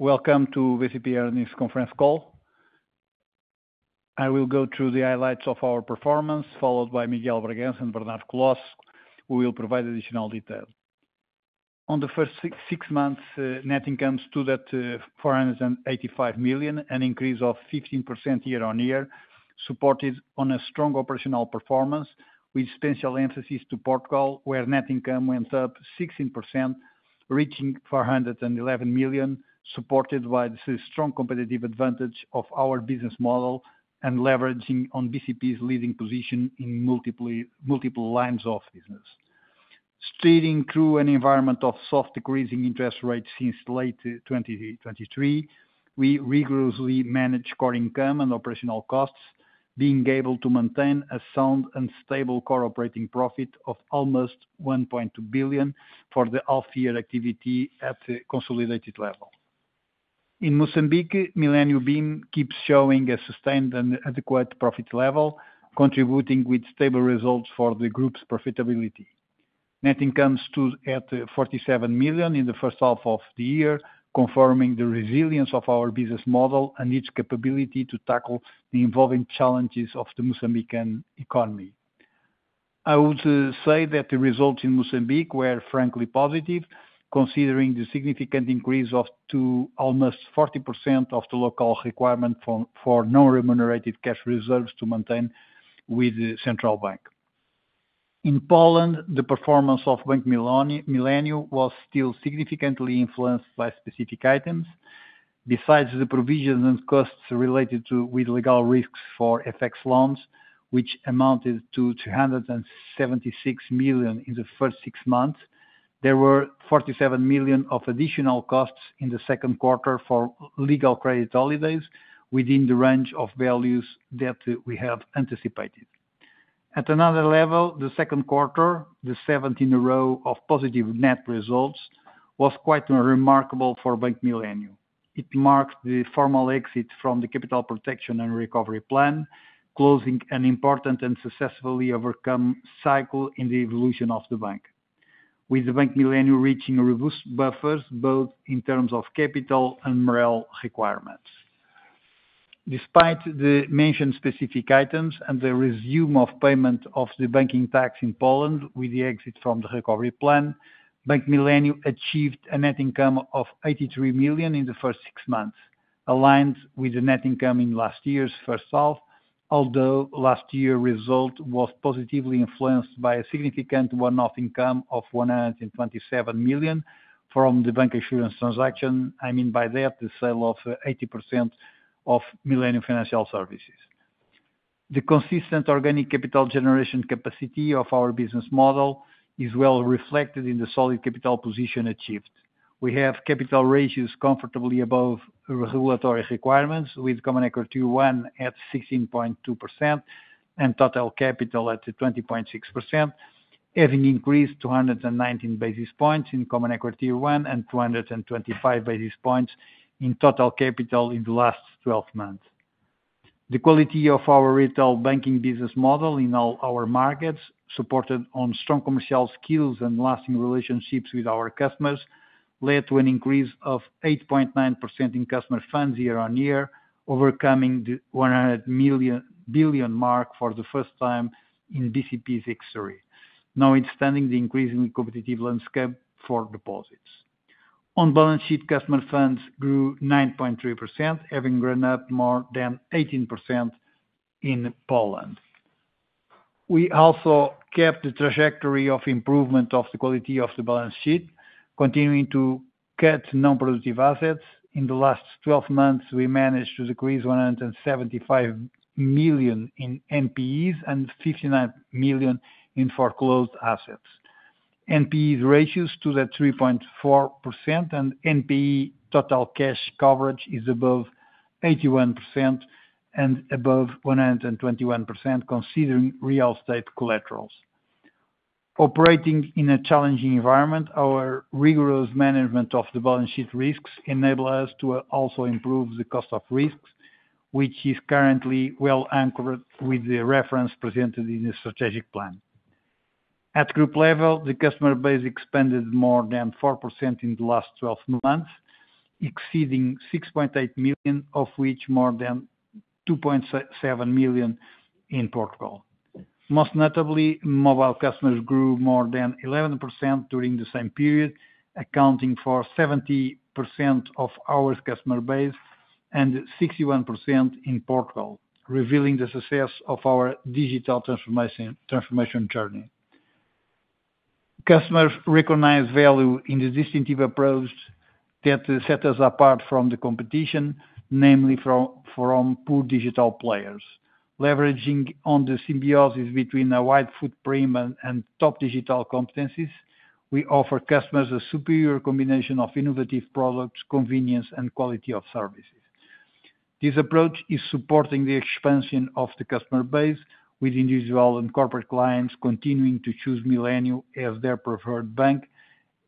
...Welcome to BCP Earnings Conference Call. I will go through the highlights of our performance, followed by Miguel Bragança and Bernardo Colaço, who will provide additional detail. On the first six months, net income stood at 485 million, an increase of 15% year-on-year, supported on a strong operational performance, with special emphasis to Portugal, where net income went up 16%, reaching 411 million, supported by the strong competitive advantage of our business model and leveraging on BCP's leading position in multiple lines of business. Steering through an environment of soft decreasing interest rates since late 2023, we rigorously managed core income and operational costs, being able to maintain a sound and stable core operating profit of almost 1.2 billion for the half year activity at the consolidated level. In Mozambique, Millennium bim keeps showing a sustained and adequate profit level, contributing with stable results for the group's profitability. Net income stood at 47 million in the first half of the year, confirming the resilience of our business model and its capability to tackle the evolving challenges of the Mozambican economy. I would say that the results in Mozambique were frankly positive, considering the significant increase to almost 40% of the local requirement for non-remunerated cash reserves to maintain with the central bank. In Poland, the performance of Bank Millennium was still significantly influenced by specific items. Besides the provisions and costs related to legal risks for FX loans, which amounted to 376 million in the first six months, there were 47 million of additional costs in the second quarter for legal credit holidays, within the range of values that we have anticipated. At another level, the second quarter, the seventh in a row of positive net results, was quite remarkable for Bank Millennium. It marks the formal exit from the Capital Protection and Recovery Plan, closing an important and successfully overcome cycle in the evolution of the bank, with the Bank Millennium reaching robust buffers, both in terms of capital and MREL requirements. Despite the mentioned specific items and the resumption of payment of the banking tax in Poland with the exit from the recovery plan, Bank Millennium achieved a net income of 83 million in the first six months, aligned with the net income in last year's first half. Although last year result was positively influenced by a significant one-off income of 127 million from the bancassurance transaction. I mean by that, the sale of 80% of Millennium Financial Services. The consistent organic capital generation capacity of our business model is well reflected in the solid capital position achieved. We have capital ratios comfortably above regulatory requirements, with Common Equity Tier 1 at 16.2% and total capital at 20.6%, having increased 219 basis points in Common Equity Tier 1, and 225 basis points in total capital in the last 12 months. The quality of our retail banking business model in all our markets, supported on strong commercial skills and lasting relationships with our customers, led to an increase of 8.9% in customer funds year-on-year, overcoming the 100 billion mark for the first time in BCP history, now extending the increasing competitive landscape for deposits. On balance sheet, customer funds grew 9.3%, having grown up more than 18% in Poland. We also kept the trajectory of improvement of the quality of the balance sheet, continuing to cut non-productive assets. In the last 12 months, we managed to decrease 175 million in NPEs and 59 million in foreclosed assets. NPE ratios to 3.4% and NPE total cash coverage is above 81% and above 121%, considering real estate collaterals. Operating in a challenging environment, our rigorous management of the balance sheet risks enable us to also improve the cost of risk, which is currently well anchored with the reference presented in the strategic plan. At group level, the customer base expanded more than 4% in the last 12 months, exceeding 6.8 million, of which more than 2.7 million in Portugal. Most notably, mobile customers grew more than 11% during the same period, accounting for 70% of our customer base and 61% in Portugal, revealing the success of our digital transformation, transformation journey. Customers recognize value in the distinctive approach that set us apart from the competition, namely from pure digital players. Leveraging on the symbiosis between a wide footprint and top digital competencies, we offer customers a superior combination of innovative products, convenience, and quality of services. This approach is supporting the expansion of the customer base, with individual and corporate clients continuing to choose Millennium as their preferred bank,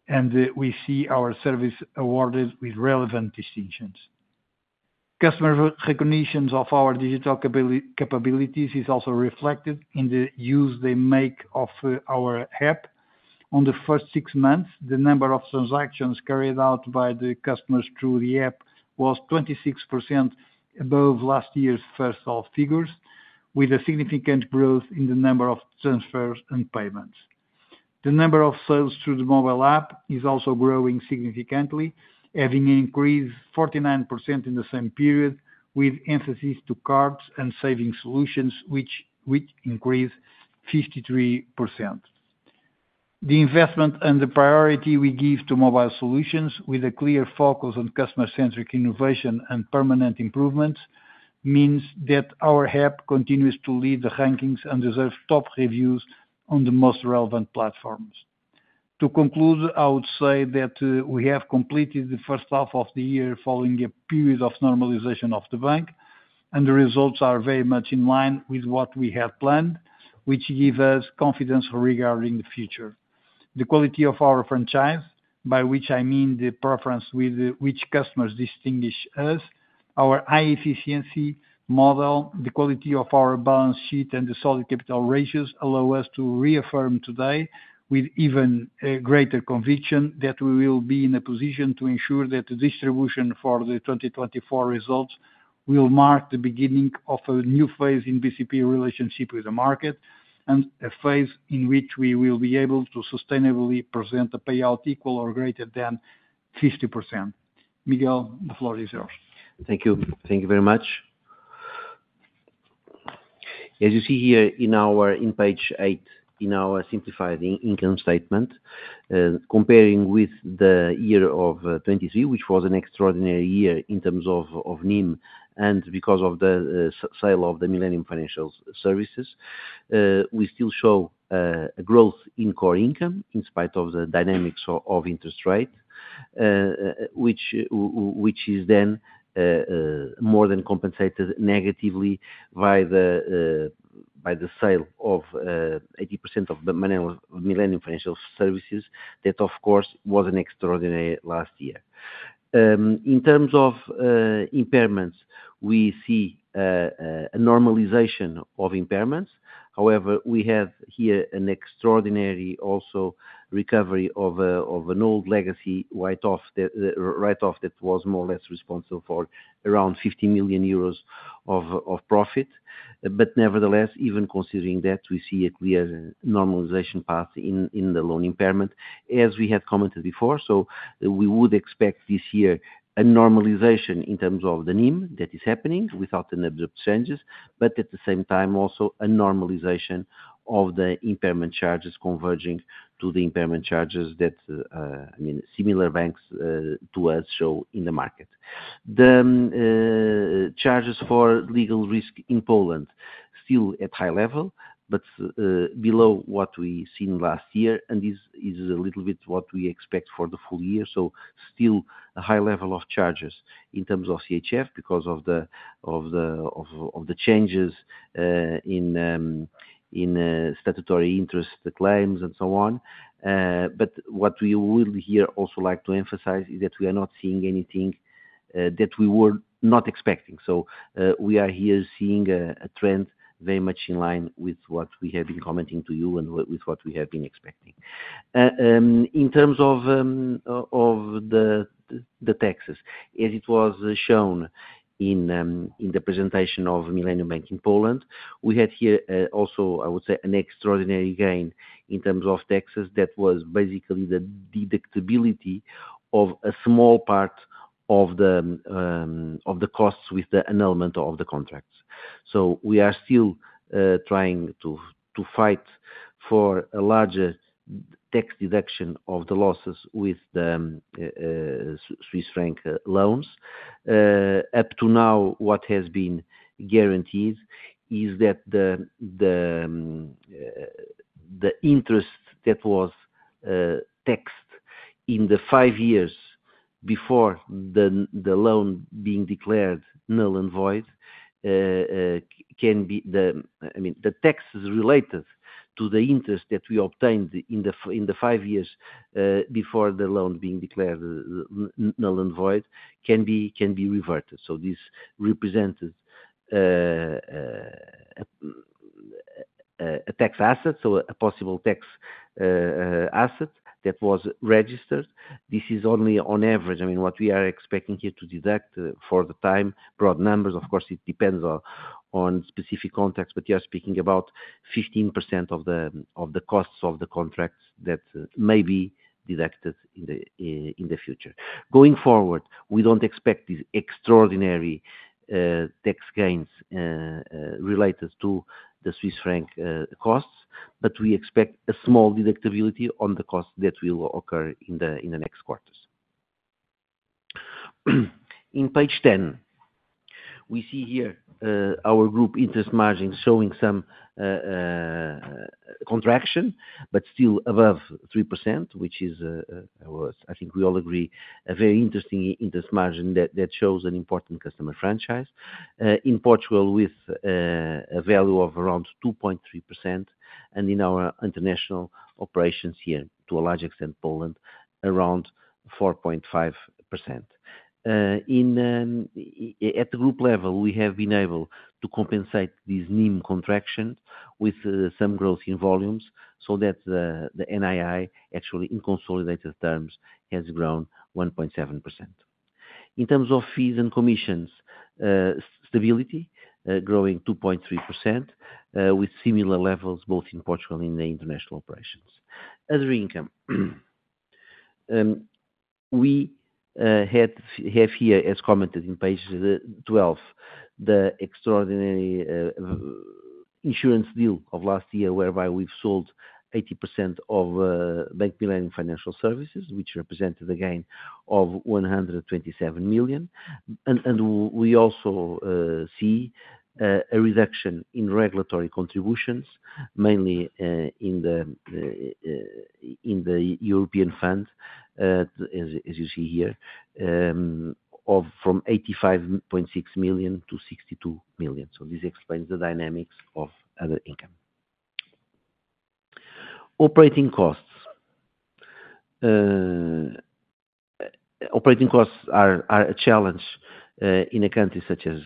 and we see our service awarded with relevant distinctions. Customer recognitions of our digital capabilities is also reflected in the use they make of our app. On the first six months, the number of transactions carried out by the customers through the app was 26% above last year's first half figures, with a significant growth in the number of transfers and payments. The number of sales through the mobile app is also growing significantly, having increased 49% in the same period, with emphasis to cards and saving solutions, which increased 53%. The investment and the priority we give to mobile solutions, with a clear focus on customer-centric innovation and permanent improvements, means that our app continues to lead the rankings and deserve top reviews on the most relevant platforms. To conclude, I would say that, we have completed the first half of the year following a period of normalization of the bank, and the results are very much in line with what we had planned, which give us confidence regarding the future. The quality of our franchise, by which I mean the preference with which customers distinguish us, our high efficiency model, the quality of our balance sheet, and the solid capital ratios allow us to reaffirm today with even a greater conviction, that we will be in a position to ensure that the distribution for the 2024 results will mark the beginning of a new phase in BCP relationship with the market, and a phase in which we will be able to sustainably present a payout equal or greater than 50%. Miguel, the floor is yours. Thank you. Thank you very much. As you see here in our- in page 8, in our simplified income statement, comparing with the year of 2023, which was an extraordinary year in terms of NIM, and because of the sale of the Millennium Financial Services, we still show growth in core income in spite of the dynamics of interest rate. Which is then more than compensated negatively by the sale of 80% of the Millennium Financial Services. That, of course, was an extraordinary last year. In terms of impairments, we see a normalization of impairments. However, we have here an extraordinary also recovery of an old legacy write-off that write-off that was more or less responsible for around 50 million euros of profit. But nevertheless, even considering that, we see a clear normalization path in the loan impairment, as we had commented before. So we would expect this year a normalization in terms of the NIM that is happening without any abrupt changes, but at the same time, also a normalization of the impairment charges converging to the impairment charges that, I mean, similar banks to us show in the market. The charges for legal risk in Poland, still at high level, but below what we seen last year, and this is a little bit what we expect for the full year. So still a high level of charges in terms of CHF because of the changes in statutory interest, the claims, and so on. But what we will here also like to emphasize is that we are not seeing anything that we were not expecting. So, we are here seeing a trend very much in line with what we have been commenting to you and with what we have been expecting. In terms of the taxes, as it was shown in the presentation of Millennium Bank in Poland, we had here also, I would say, an extraordinary gain in terms of taxes. That was basically the deductibility of a small part of the costs with the annulment of the contracts. So we are still trying to fight for a larger tax deduction of the losses with the Swiss franc loans. Up to now, what has been guaranteed is that the interest that was taxed in the five years before the loan being declared null and void can be—I mean, the tax is related to the interest that we obtained in the five years before the loan being declared null and void—can be reverted. So this represented a tax asset, so a possible tax asset that was registered. This is only on average. I mean, what we are expecting here to deduct for the time, broad numbers, of course, it depends on specific context, but we are speaking about 15% of the costs of the contracts that may be deducted in the future. Going forward, we don't expect these extraordinary tax gains related to the Swiss franc costs, but we expect a small deductibility on the costs that will occur in the next quarters. In page 10, we see here our group interest margin showing some contraction, but still above 3%, which is, I think we all agree, a very interesting interest margin that shows an important customer franchise. In Portugal with a value of around 2.3%, and in our international operations here, to a large extent, Poland, around 4.5%. At the group level, we have been able to compensate this NIM contraction with some growth in volumes so that the NII, actually, in consolidated terms, has grown 1.7%. In terms of fees and commissions, stability, growing 2.3%, with similar levels both in Portugal and in the international operations. Other income, we have here, as commented in page 12, the extraordinary insurance deal of last year, whereby we've sold 80% of Bank Millennium Financial Services, which represented a gain of 127 million. And we also see a reduction in regulatory contributions, mainly in the European funds, as you see here, from 85.6 million to 62 million. So this explains the dynamics of other income. Operating costs. Operating costs are a challenge in a country such as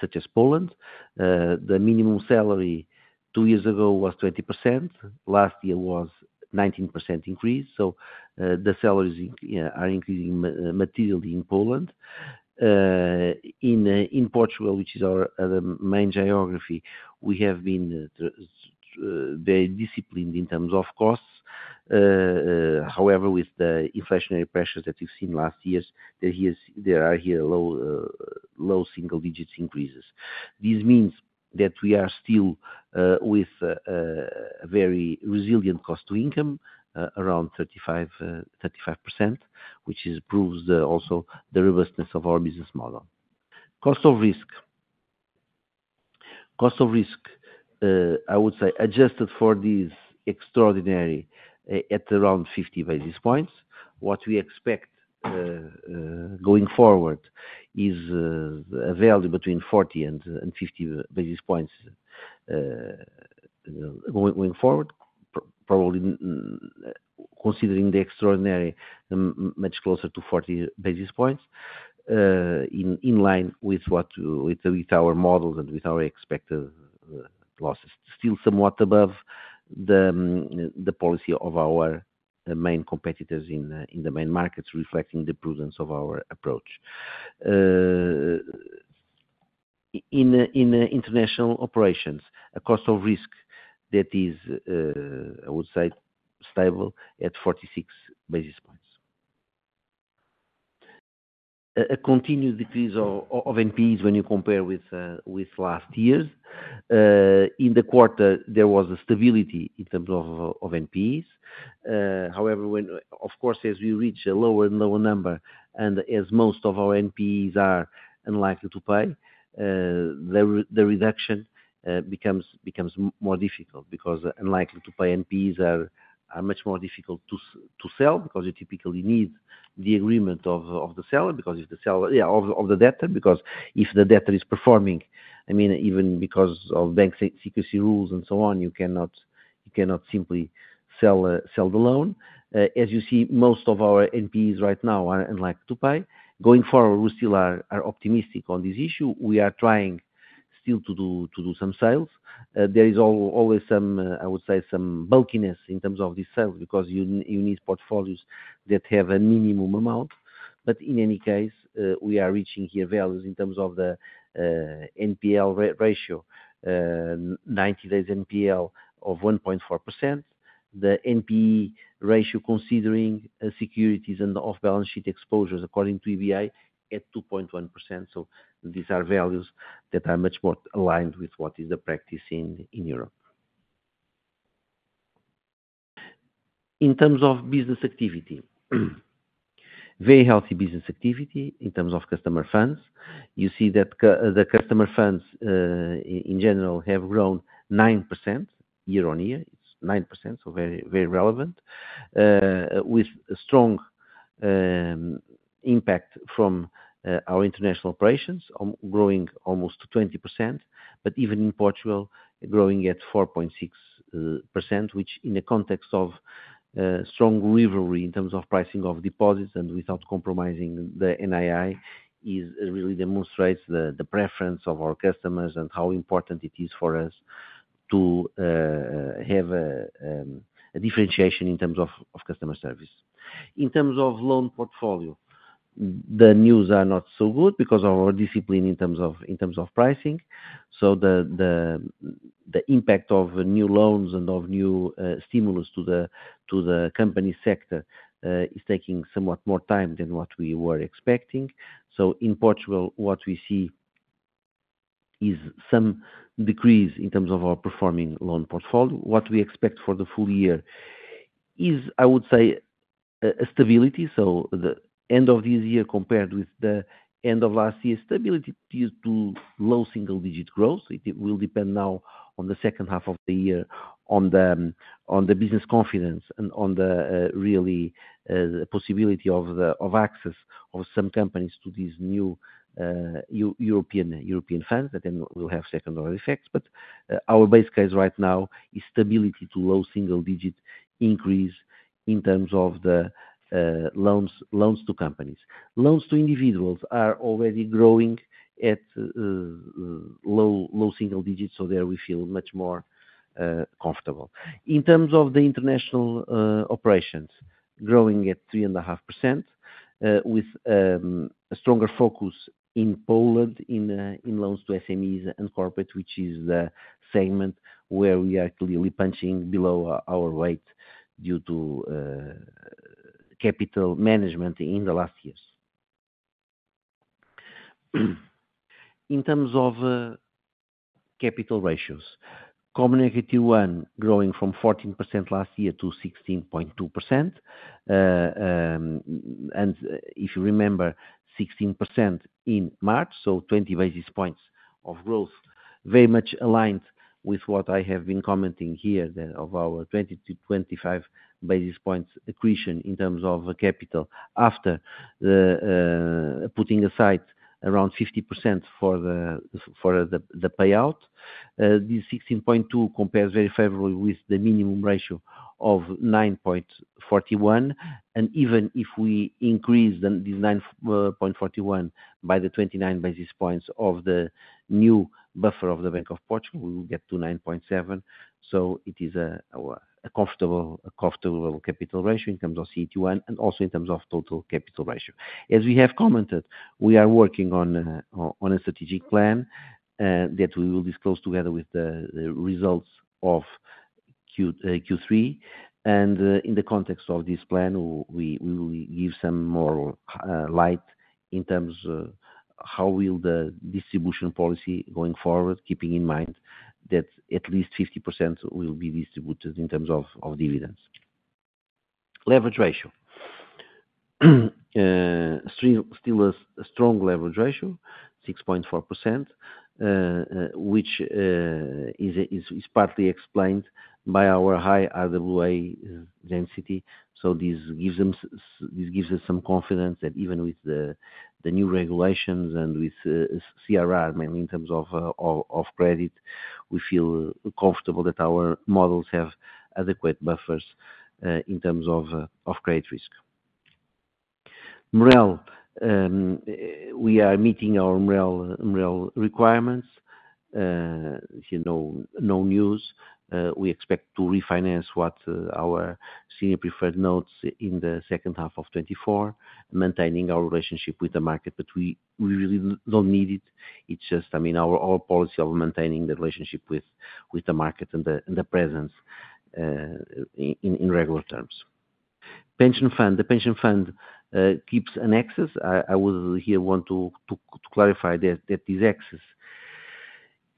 such as Poland. The minimum salary two years ago was 20%, last year was 19% increase. So, the salaries are increasing materially in Poland. In Portugal, which is our main geography, we have been very disciplined in terms of costs. However, with the inflationary pressures that we've seen last years, there are here low single digits increases. This means that we are still with a very resilient cost to income around 35%, 35%, which proves the also the robustness of our business model. Cost of risk. Cost of risk, I would say, adjusted for this extraordinary, at around 50 basis points. What we expect going forward is a value between 40 and 50 basis points going forward. Probably, considering the extraordinary, much closer to 40 basis points, in line with what, with our models and with our expected losses. Still somewhat above the policy of our main competitors in the main markets, reflecting the prudence of our approach. In international operations, a cost of risk that is, I would say, stable at 46 basis points. A continued decrease of NPEs when you compare with last year's. In the quarter, there was a stability in terms of NPEs However, when of course, as we reach a lower and lower number, and as most of our NPEs are unlikely to pay, the reduction becomes more difficult because unlikely to pay NPEs are much more difficult to sell, because you typically need the agreement of the debtor. Because if the debtor is performing, I mean, even because of bank secrecy rules and so on, you cannot simply sell the loan. As you see, most of our NPEs right now are unlikely to pay. Going forward, we still are optimistic on this issue. We are trying still to do some sales. There is always some, I would say, some bulkiness in terms of the sale, because you need portfolios that have a minimum amount. But in any case, we are reaching here values in terms of the NPL ratio, ninety-day NPL of 1.4%. The NPE ratio, considering securities and the off-balance sheet exposures, according to EBA, at 2.1%. So these are values that are much more aligned with what is the practice in Europe. In terms of business activity, very healthy business activity in terms of customer funds. You see that the customer funds, in general, have grown 9% year-on-year. It's 9%, so very, very relevant. With a strong impact from our international operations on growing almost to 20%, but even in Portugal, growing at 4.6%, which in the context of strong delivery in terms of pricing of deposits and without compromising the NII, really demonstrates the preference of our customers and how important it is for us to have a differentiation in terms of customer service. In terms of loan portfolio, the news are not so good because of our discipline in terms of pricing. So the impact of new loans and of new stimulus to the company sector is taking somewhat more time than what we were expecting. So in Portugal, what we see is some decrease in terms of our performing loan portfolio. What we expect for the full year is, I would say, a stability. So the end of this year, compared with the end of last year, stability is to low single-digit growth. It will depend now on the second half of the year on the business confidence and on the really possibility of the access of some companies to these new European funds, that then will have secondary effects. But our base case right now is stability to low single-digit increase in terms of the loans to companies. Loans to individuals are already growing at low single digits, so there we feel much more comfortable. In terms of the international operations?... growing at 3.5%, with a stronger focus in Poland, in loans to SMEs and corporate, which is the segment where we are clearly punching below our weight due to capital management in the last years. In terms of capital ratios, CET1 growing from 14% last year to 16.2%. And if you remember, 16% in March, so 20 basis points of growth, very much aligned with what I have been commenting here, that of our 20-25 basis points accretion in terms of capital, after putting aside around 50% for the payout. This 16.2 compares very favorably with the minimum ratio of 9.41, and even if we increase the nine point forty-one by the 29 basis points of the new buffer of the Bank of Portugal, we will get to 9.7. So it is a comfortable capital ratio in terms of CET1 and also in terms of total capital ratio. As we have commented, we are working on a strategic plan that we will disclose together with the results of Q3. In the context of this plan, we will give some more light in terms of how will the distribution policy going forward, keeping in mind that at least 50% will be distributed in terms of dividends. Leverage ratio. Still a strong leverage ratio, 6.4%, which is partly explained by our high RWA density. So this gives us some confidence that even with the new regulations and with CRR, mainly in terms of credit, we feel comfortable that our models have adequate buffers in terms of credit risk. MREL, we are meeting our MREL requirements. You know, no news. We expect to refinance our senior preferred notes in the second half of 2024, maintaining our relationship with the market, but we really don't need it. It's just, I mean, our policy of maintaining the relationship with the market and the presence in regular terms. Pension fund. The pension fund keeps an excess. I will here want to clarify that this excess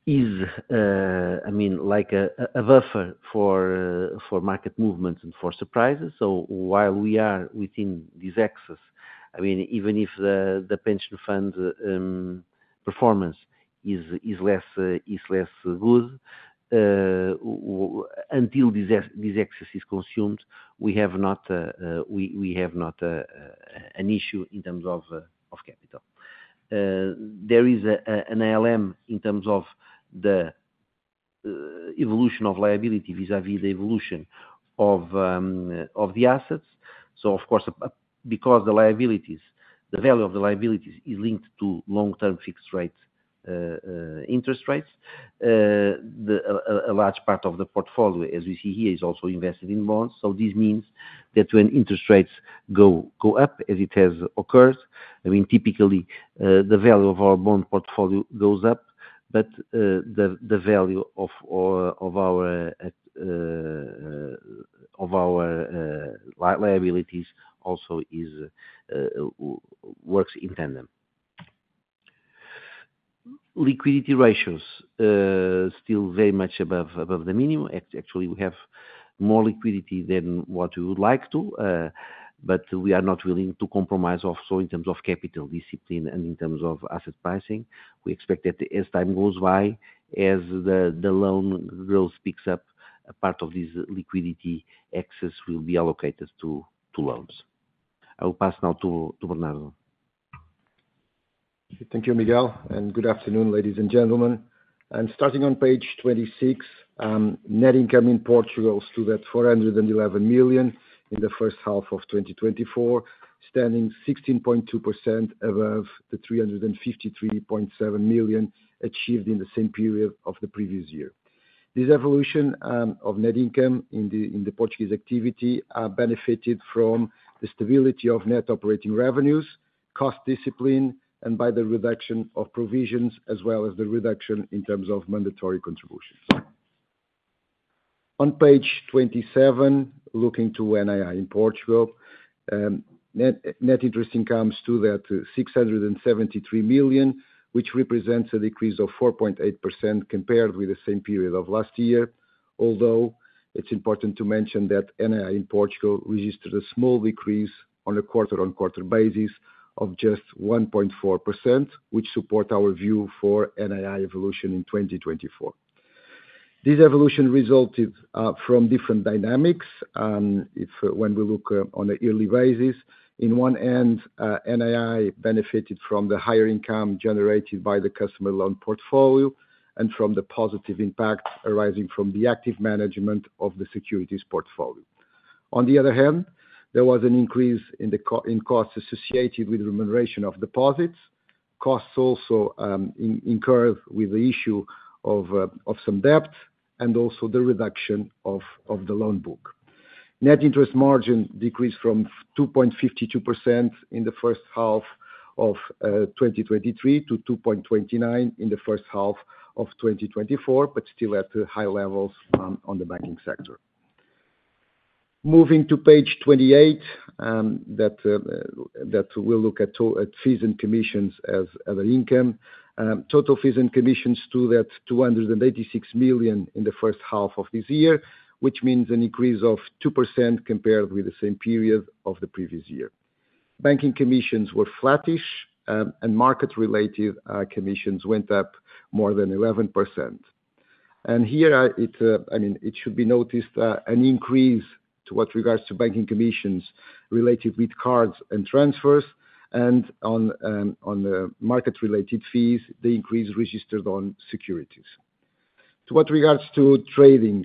is, I mean, like a buffer for market movement and for surprises. So while we are within this excess, I mean, even if the pension fund performance is less good, until this excess is consumed, we have not, we have not an issue in terms of capital. There is an ALM in terms of the evolution of liability vis-a-vis the evolution of the assets. So of course, because the liabilities, the value of the liabilities is linked to long-term fixed rate interest rates, a large part of the portfolio, as you see here, is also invested in bonds. So this means that when interest rates go up, as it has occurred, I mean, typically, the value of our bond portfolio goes up, but the value of our liabilities also works in tandem. Liquidity ratios still very much above the minimum. Actually, we have more liquidity than what we would like to, but we are not willing to compromise also in terms of capital discipline and in terms of asset pricing. We expect that as time goes by, as the loan growth picks up, a part of this liquidity excess will be allocated to loans. I will pass now to Bernardo. Thank you, Miguel, and good afternoon, ladies and gentlemen. Starting on page 26, net income in Portugal stood at 411 million in the first half of 2024, standing 16.2% above the 353.7 million achieved in the same period of the previous year. This evolution of net income in the Portuguese activity benefited from the stability of net operating revenues, cost discipline, and by the reduction of provisions, as well as the reduction in terms of mandatory contributions. On page 27, looking to NII in Portugal, net, net interest income is to that 673 million, which represents a decrease of 4.8% compared with the same period of last year. Although it's important to mention that NII in Portugal registered a small decrease on a quarter-on-quarter basis of just 1.4%, which support our view for NII evolution in 2024. This evolution resulted from different dynamics, when we look on a yearly basis, on one end, NII benefited from the higher income generated by the customer loan portfolio, and from the positive impact arising from the active management of the securities portfolio. On the other hand, there was an increase in the costs associated with remuneration of deposits, costs also incurred with the issue of some debt and also the reduction of the loan book. Net interest margin decreased from 2.52% in the first half of 2023 to 2.29% in the first half of 2024, but still at the high levels on the banking sector. Moving to page 28, that we'll look at fees and commissions as an income. Total fees and commissions stood at 286 million in the first half of this year, which means an increase of 2% compared with the same period of the previous year. Banking commissions were flattish, and market-related commissions went up more than 11%. And here, I mean, it should be noticed that an increase to what regards to banking commissions related with cards and transfers, and on the market-related fees, the increase registered on securities. To what regards to trading,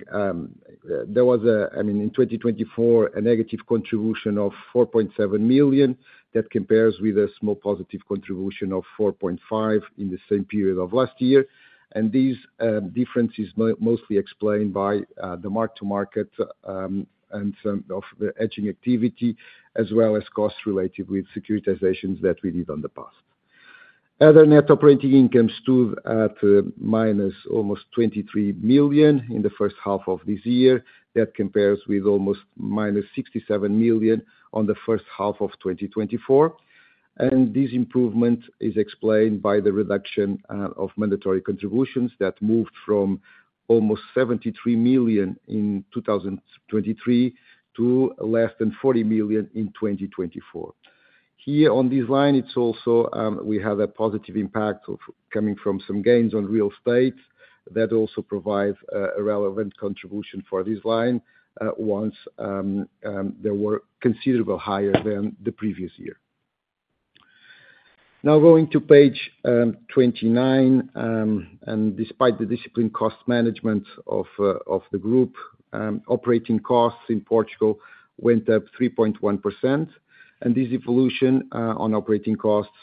there was a, I mean, in 2024, a negative contribution of 4.7 million. That compares with a small positive contribution of 4.5 million in the same period of last year. And these differences mostly explained by the mark to market and some of the hedging activity, as well as costs related with securitizations that we did in the past. Other net operating incomes stood at minus almost 23 million in the first half of this year. That compares with almost minus 67 million in the first half of 2024. And this improvement is explained by the reduction of mandatory contributions that moved from almost 73 million in 2023 to less than 40 million in 2024. Here on this line, it's also, we have a positive impact of coming from some gains on real estate that also provide a relevant contribution for this line, once there were considerably higher than the previous year. Now, going to page 29. Despite the disciplined cost management of the group, operating costs in Portugal went up 3.1%, and this evolution on operating costs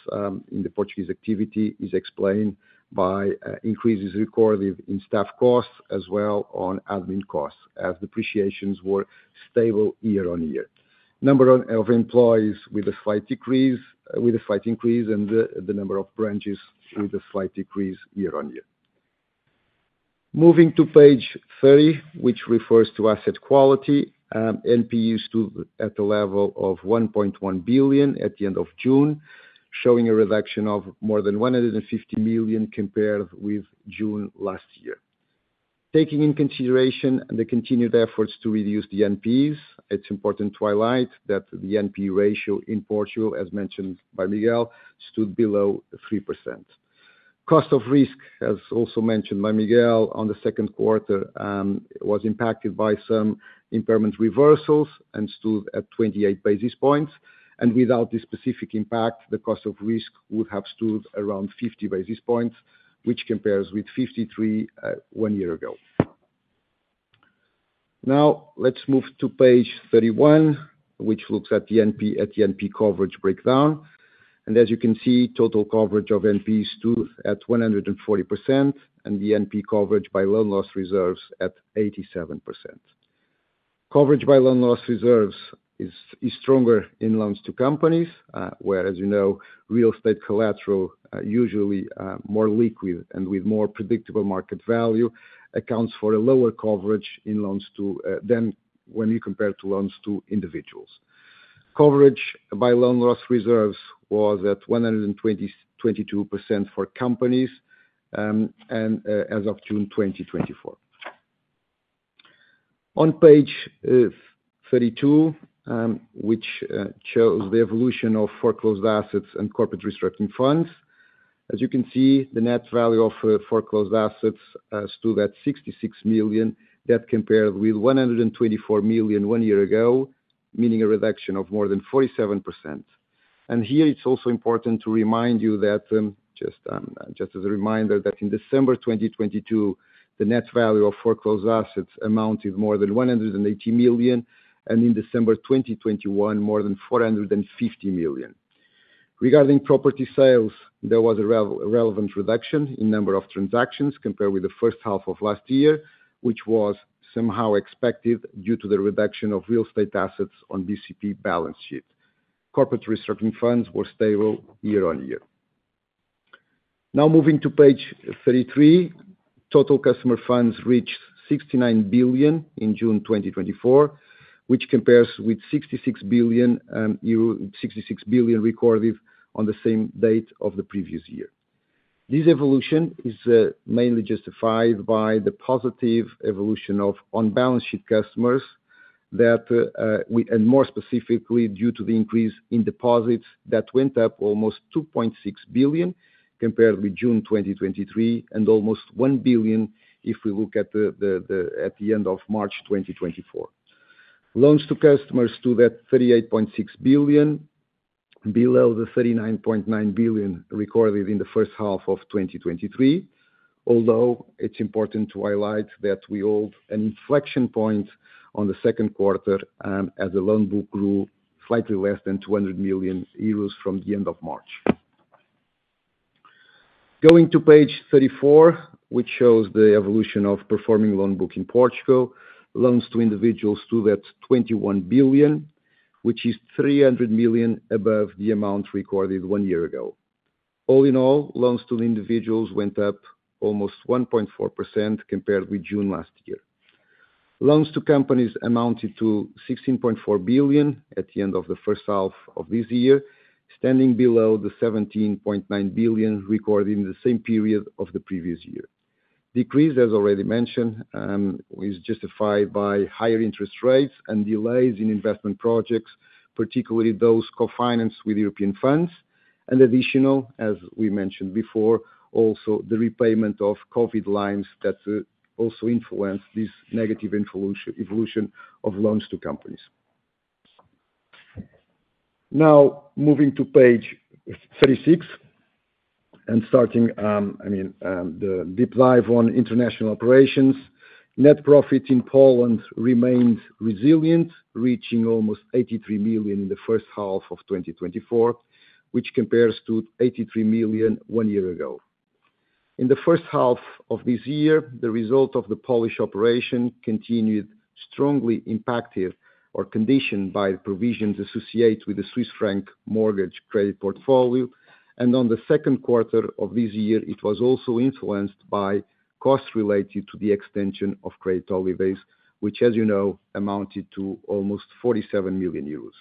in the Portuguese activity is explained by increases recorded in staff costs as well on admin costs, as depreciations were stable year-on-year. Number of employees with a slight decrease, with a slight increase, and the number of branches with a slight decrease year-on-year. Moving to page 30, which refers to asset quality, NPE stood at a level of 1.1 billion at the end of June, showing a reduction of more than 150 million compared with June last year. Taking in consideration the continued efforts to reduce the NPEs, it's important to highlight that the NPE ratio in Portugal, as mentioned by Miguel, stood below 3%. Cost of risk, as also mentioned by Miguel on the second quarter, was impacted by some impairment reversals and stood at 28 basis points, and without this specific impact, the cost of risk would have stood around 50 basis points, which compares with 53 basis points one year ago. Now, let's move to page 31, which looks at the NP coverage breakdown. As you can see, total coverage of NPEs stood at 140%, and the NPE coverage by loan loss reserves at 87%. Coverage by loan loss reserves is stronger in loans to companies, where, as you know, real estate collateral usually more liquid and with more predictable market value, accounts for a lower coverage in loans to than when you compare to loans to individuals. Coverage by loan loss reserves was at 122% for companies, and as of June 2024. On page 32, which shows the evolution of foreclosed assets and corporate restructuring funds. As you can see, the net value of foreclosed assets stood at 66 million. That compared with 124 million one year ago, meaning a reduction of more than 47%. Here, it's also important to remind you that, just as a reminder, that in December 2022, the net value of foreclosed assets amounted more than 180 million, and in December 2021, more than 450 million. Regarding property sales, there was a relevant reduction in number of transactions compared with the first half of last year, which was somehow expected due to the reduction of real estate assets on BCP balance sheet. Corporate restructuring funds were stable year-on-year. Now moving to page 33. Total customer funds reached 69 billion in June 2024, which compares with 66 billion euro, sixty-six billion recorded on the same date of the previous year. This evolution is mainly justified by the positive evolution of on-balance sheet customers that and more specifically, due to the increase in deposits, that went up almost 2.6 billion compared with June 2023, and almost 1 billion if we look at the at the end of March 2024. Loans to customers stood at 38.6 billion, below the 39.9 billion recorded in the first half of 2023. Although it's important to highlight that we hold an inflection point on the second quarter, as the loan book grew slightly less than 200 million euros from the end of March. Going to page 34, which shows the evolution of performing loan book in Portugal, loans to individuals stood at 21 billion, which is 300 million above the amount recorded one year ago. All in all, loans to individuals went up almost 1.4% compared with June last year. Loans to companies amounted to 16.4 billion at the end of the first half of this year, standing below the 17.9 billion recorded in the same period of the previous year. Decrease, as already mentioned, is justified by higher interest rates and delays in investment projects, particularly those co-financed with European funds. And additional, as we mentioned before, also the repayment of COVID loans that also influence this negative evolution of loans to companies. Now, moving to page thirty-six, and starting, I mean, the deep dive on international operations. Net profit in Poland remained resilient, reaching almost 83 million in the first half of 2024, which compares to 83 million one year ago. In the first half of this year, the result of the Polish operation continued strongly impacted or conditioned by provisions associated with the Swiss franc mortgage credit portfolio, and on the second quarter of this year, it was also influenced by costs related to the extension of credit holidays, which, as you know, amounted to almost 47 million euros.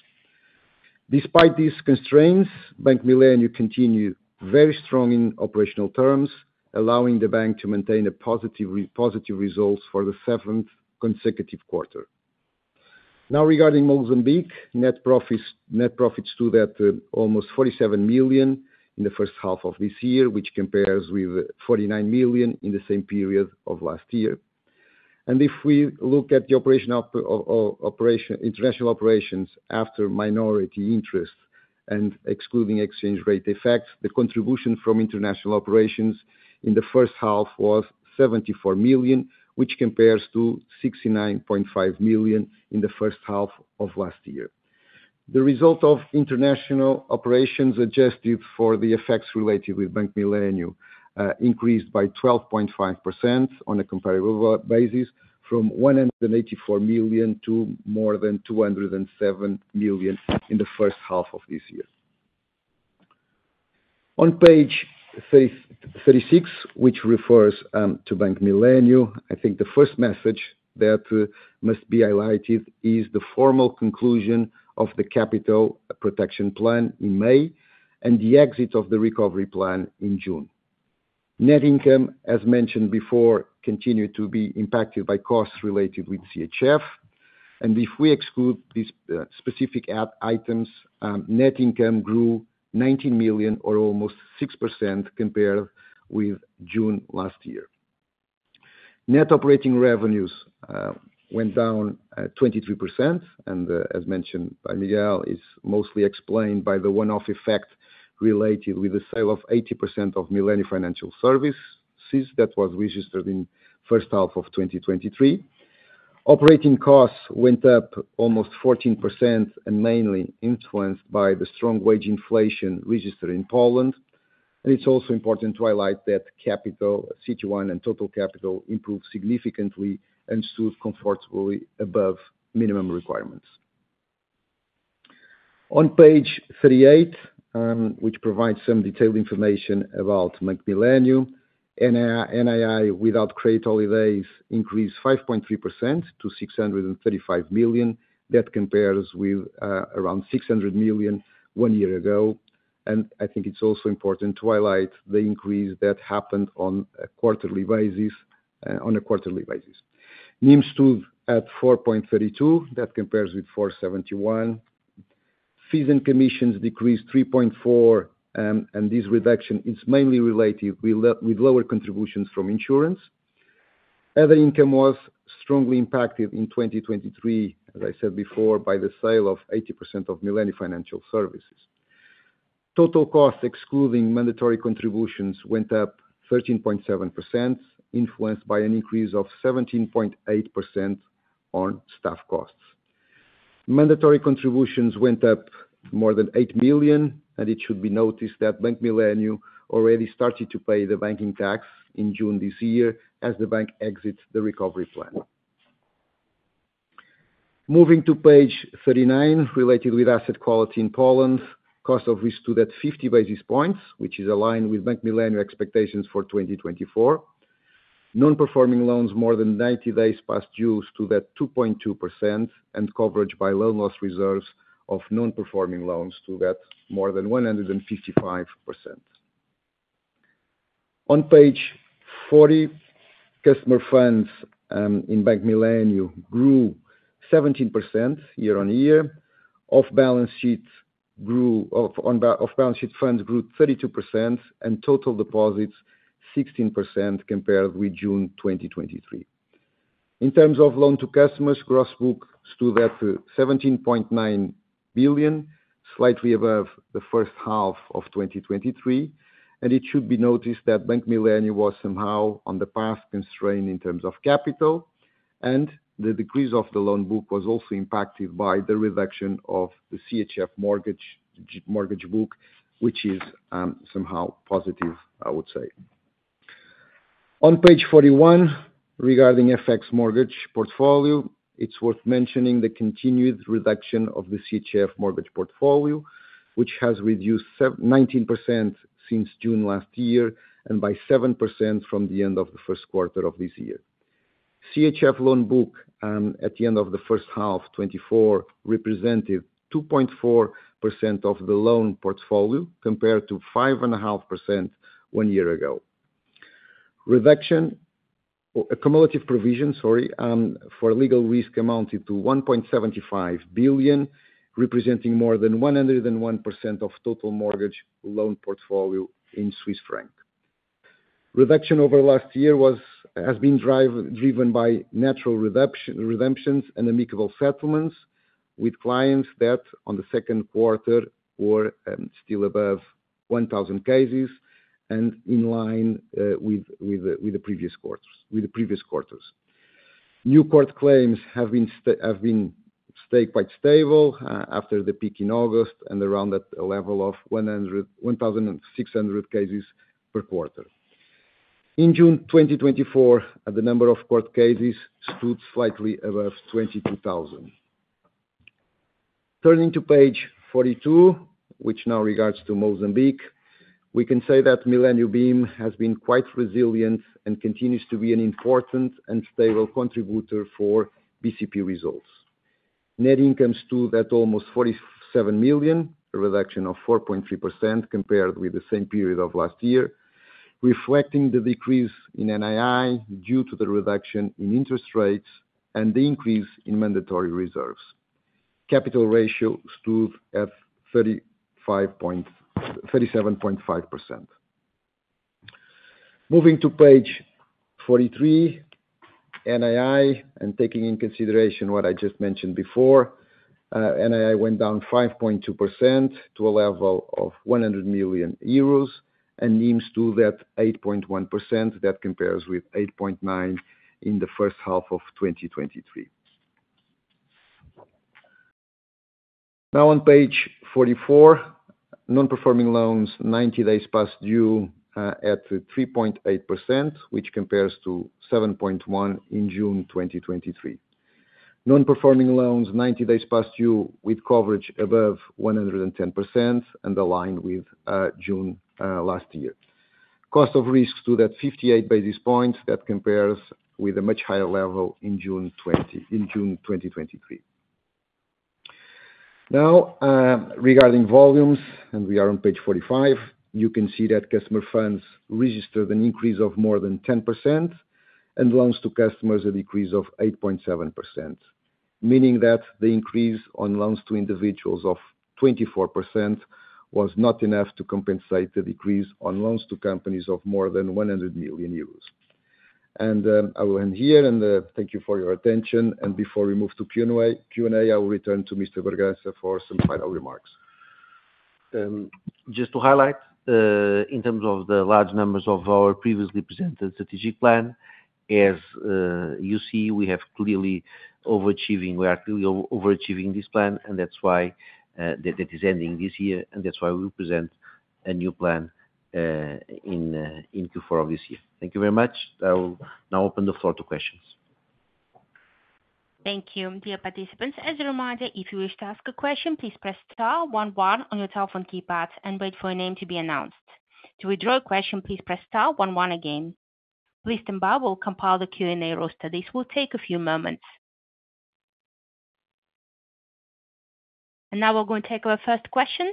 Despite these constraints, Bank Millennium continued very strong in operational terms, allowing the bank to maintain a positive positive results for the seventh consecutive quarter. Now, regarding Mozambique, net profits, net profits stood at almost 47 million in the first half of this year, which compares with 49 million in the same period of last year. If we look at the operation of international operations after minority interests and excluding exchange rate effects, the contribution from international operations in the first half was 74 million, which compares to 69.5 million in the first half of last year. The result of international operations, adjusted for the effects related with Bank Millennium, increased by 12.5% on a comparable basis, from 184 million to more than 207 million in the first half of this year. On page 36, which refers to Bank Millennium, I think the first message that must be highlighted is the formal conclusion of the capital protection plan in May and the exit of the recovery plan in June. Net income, as mentioned before, continued to be impacted by costs related with CHF. And if we exclude these specific add items, net income grew 19 million or almost 6% compared with June last year. Net operating revenues went down 23%, and as mentioned by Miguel, is mostly explained by the one-off effect related with the sale of 80% of Millennium Financial Services, since that was registered in first half of 2023. Operating costs went up almost 14% and mainly influenced by the strong wage inflation registered in Poland. And it's also important to highlight that capital, CET1, and total capital improved significantly and stood comfortably above minimum requirements. On page 38, which provides some detailed information about Bank Millennium, NII, NII without credit holidays increased 5.3% to 635 million. That compares with around 600 million one year ago, and I think it's also important to highlight the increase that happened on a quarterly basis. NIM stood at 4.32, that compares with 4.71. Fees and commissions decreased 3.4, and this reduction is mainly related with lower contributions from insurance. Other income was strongly impacted in 2023, as I said before, by the sale of 80% of Millennium Financial Services. Total costs, excluding mandatory contributions, went up 13.7%, influenced by an increase of 17.8% on staff costs. Mandatory contributions went up more than 8 million, and it should be noticed that Bank Millennium already started to pay the banking tax in June this year as the bank exits the recovery plan. Moving to page 39, related with asset quality in Poland, cost of risk stood at 50 basis points, which is aligned with Bank Millennium expectations for 2024. Non-performing loans, more than 90 days past due, stood at 2.2%, and coverage by loan loss reserves of non-performing loans stood at more than 155%. On page 40, customer funds in Bank Millennium grew 17% year-on-year. Off balance sheet funds grew 32%, and total deposits 16% compared with June 2023. In terms of loans to customers, gross book stood at 17.9 billion, slightly above the first half of 2023, and it should be noticed that Bank Millennium was somehow on the path constrained in terms of capital, and the decrease of the loan book was also impacted by the reduction of the CHF mortgage mortgage book, which is, somehow positive, I would say. On page 41, regarding FX mortgage portfolio, it's worth mentioning the continued reduction of the CHF mortgage portfolio, which has reduced 19% since June last year, and by 7% from the end of the first quarter of this year. CHF loan book, at the end of the first half of 2024, represented 2.4% of the loan portfolio, compared to 5.5% one year ago. Reduction, or a cumulative provision, sorry, for legal risk amounted to 1.75 billion, representing more than 101% of total mortgage loan portfolio in Swiss franc. Reduction over last year was, has been driven by natural redemptions and amicable settlements with clients that, on the second quarter, were still above 1,000 cases and in line with the previous quarters. New court claims have been staying quite stable after the peak in August and around that level of 1,100-1,600 cases per quarter. In June 2024, the number of court cases stood slightly above 22,000. Turning to page 42, which now regards to Mozambique, we can say that Millennium bim has been quite resilient and continues to be an important and stable contributor for BCP results. Net income stood at almost 47 million, a reduction of 4.3% compared with the same period of last year, reflecting the decrease in NII due to the reduction in interest rates and the increase in mandatory reserves. Capital ratio stood at 35.375%. Moving to page 43, NII, and taking into consideration what I just mentioned before, NII went down 5.2% to a level of 100 million euros, and NIMs stood at 8.1%. That compares with 8.9% in the first half of 2023. Now, on page 44, non-performing loans, 90 days past due, at 3.8%, which compares to 7.1% in June 2023. Non-performing loans 90 days past due, with coverage above 110% and aligned with June last year. Cost of risks stood at 58 basis points. That compares with a much higher level in June 2020, in June 2023. Now, regarding volumes, and we are on page 45, you can see that customer funds registered an increase of more than 10%, and loans to customers, a decrease of 8.7%, meaning that the increase on loans to individuals of 24% was not enough to compensate the decrease on loans to companies of more than 100 million euros. And, I will end here, and, thank you for your attention. Before we move to Q&A, Q&A, I will return to Mr. Bragança for some final remarks. Just to highlight, in terms of the large numbers of our previously presented strategic plan, as you see, we are clearly overachieving this plan, and that's why it is ending this year, and that's why we present a new plan in Q4 of this year. Thank you very much. I will now open the floor to questions. Thank you. Dear participants, as a reminder, if you wish to ask a question, please press star one one on your telephone keypad and wait for your name to be announced. To withdraw a question, please press star one one again. Please stand by. We'll compile the Q&A roster. This will take a few moments. And now we're going to take our first question.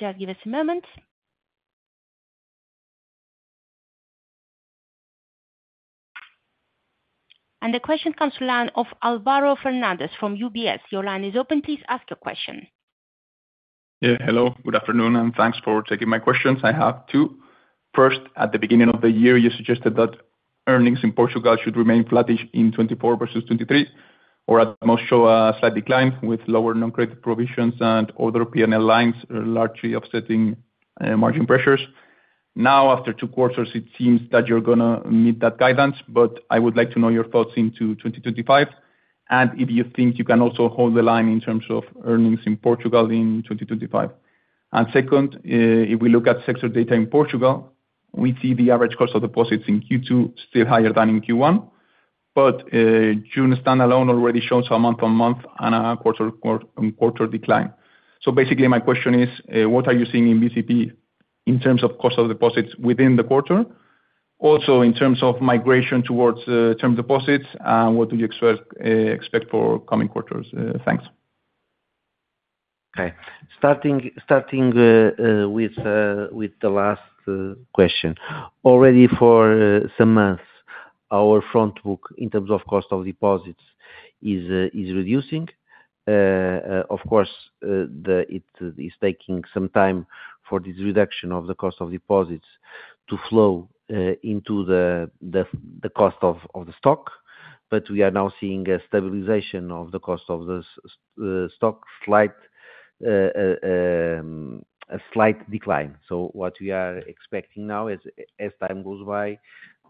Just give us a moment. And the question comes to line of Álvaro Fernández from UBS. Your line is open, please ask your question. Yeah, hello. Good afternoon, and thanks for taking my questions. I have two. First, at the beginning of the year, you suggested that earnings in Portugal should remain flattish in 2024 versus 2023, or at most show a slight decline with lower non-credit provisions and other P&L lines, largely offsetting margin pressures. Now, after two quarters, it seems that you're gonna meet that guidance, but I would like to know your thoughts into 2025, and if you think you can also hold the line in terms of earnings in Portugal in 2025. And second, if we look at sector data in Portugal, we see the average cost of deposits in Q2 still higher than in Q1, but June standalone already shows a month-over-month and a quarter-over-quarter decline. So basically, my question is, what are you seeing in BCP in terms of cost of deposits within the quarter? Also, in terms of migration towards, term deposits, and what do you expect for coming quarters? Thanks. Okay. Starting with the last question. Already for some months our front book, in terms of cost of deposits, is reducing. Of course, it is taking some time for this reduction of the cost of deposits to flow into the cost of the stock, but we are now seeing a stabilization of the cost of the stock, a slight decline. So what we are expecting now is, as time goes by,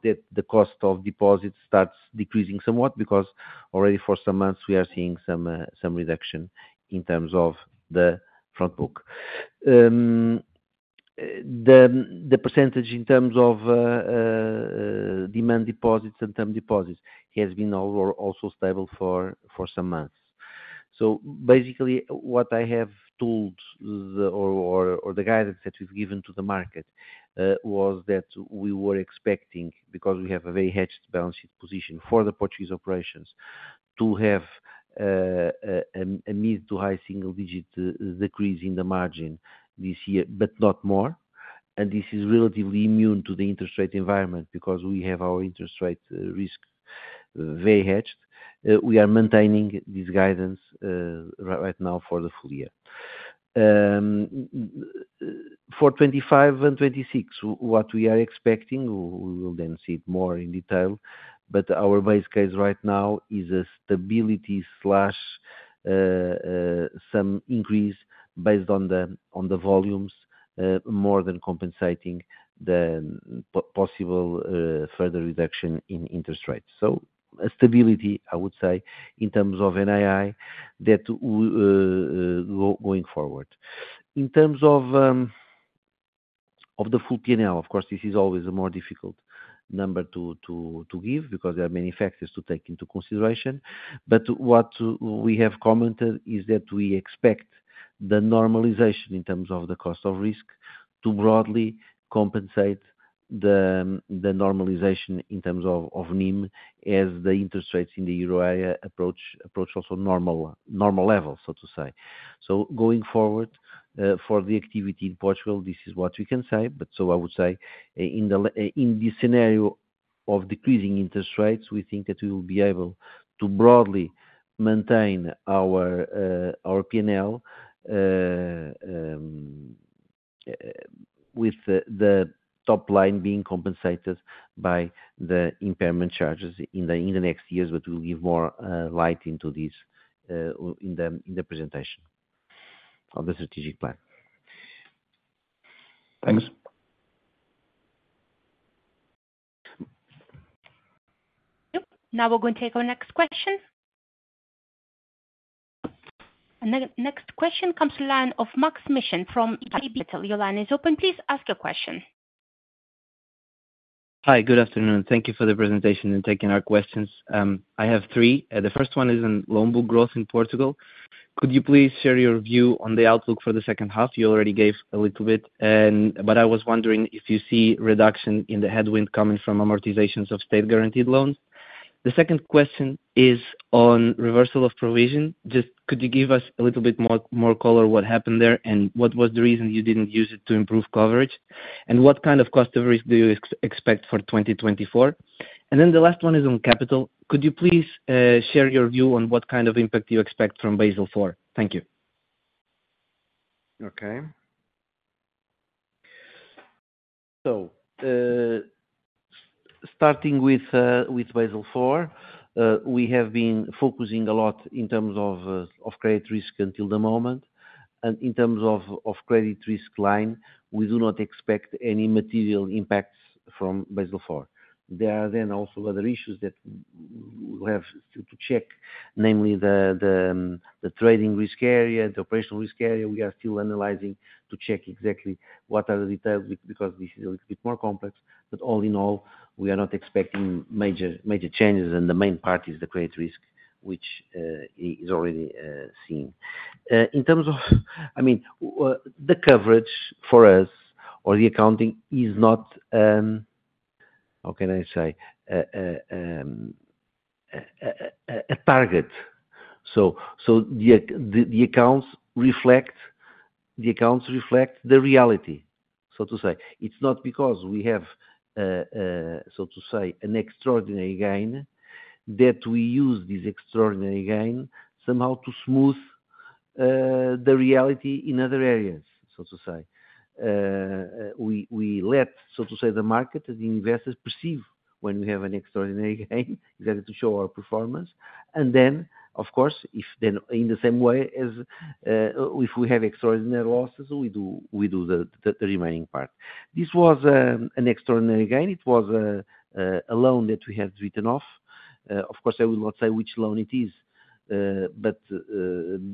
that the cost of deposits starts decreasing somewhat, because already for some months we are seeing some reduction in terms of the front book. The percentage in terms of demand deposits and term deposits has been also stable for some months. So basically, the guidance that we've given to the market was that we were expecting, because we have a very hedged balance sheet position for the Portuguese operations, to have a mid- to high-single-digit decrease in the margin this year, but not more. This is relatively immune to the interest rate environment because we have our interest rate risk very hedged. We are maintaining this guidance right now for the full year. For 2025 and 2026, what we are expecting, we will then see it more in detail, but our base case right now is a stability, some increase based on the volumes, more than compensating the possible further reduction in interest rates. So a stability, I would say, in terms of NII, that going forward. In terms of the full P&L, of course, this is always a more difficult number to give because there are many factors to take into consideration. But what we have commented is that we expect the normalization in terms of the cost of risk to broadly compensate the normalization in terms of NIM, as the interest rates in the euro approach also normal levels, so to say. So going forward, for the activity in Portugal, this is what we can say, but so I would say, in this scenario of decreasing interest rates, we think that we will be able to broadly maintain our our P&L, with the top line being compensated by the impairment charges in the next years, but we'll give more light into this, in the presentation of the strategic plan. Thanks. Yep. Now we're going to take our next question. And the next question comes line of Max Messina from Italy. Your line is open, please ask your question. Hi, good afternoon. Thank you for the presentation and taking our questions. I have three. The first one is on loan book growth in Portugal. Could you please share your view on the outlook for the second half? You already gave a little bit, and but I was wondering if you see reduction in the headwind coming from amortizations of state-guaranteed loans. The second question is on reversal of provision. Just could you give us a little bit more, more color, what happened there, and what was the reason you didn't use it to improve coverage? And what kind of cost of risk do you expect for 2024? And then the last one is on capital. Could you please share your view on what kind of impact you expect from Basel IV? Thank you. Okay. So, starting with Basel IV, we have been focusing a lot in terms of of credit risk until the moment. And in terms of of credit risk line, we do not expect any material impacts from Basel IV. There are then also other issues that we have still to check, namely the the the trading risk area, the operational risk area. We are still analyzing to check exactly what are the details, because this is a little bit more complex. But all in all, we are not expecting major major changes and the main part is the credit risk, which is already seen. In terms of, I mean, the coverage for us or the accounting is not, how can I say? a target. So the accounts reflect, the accounts reflect the reality, so to say. It's not because we have, so to say, an extraordinary gain, that we use this extraordinary gain somehow to smooth the reality in other areas, so to say. We let, so to say, the market, the investors perceive when we have an extraordinary gain, is that to show our performance. And then, of course, in the same way as if we have extraordinary losses, we do the remaining part. This was an extraordinary gain. It was a loan that we had written off. Of course, I will not say which loan it is, but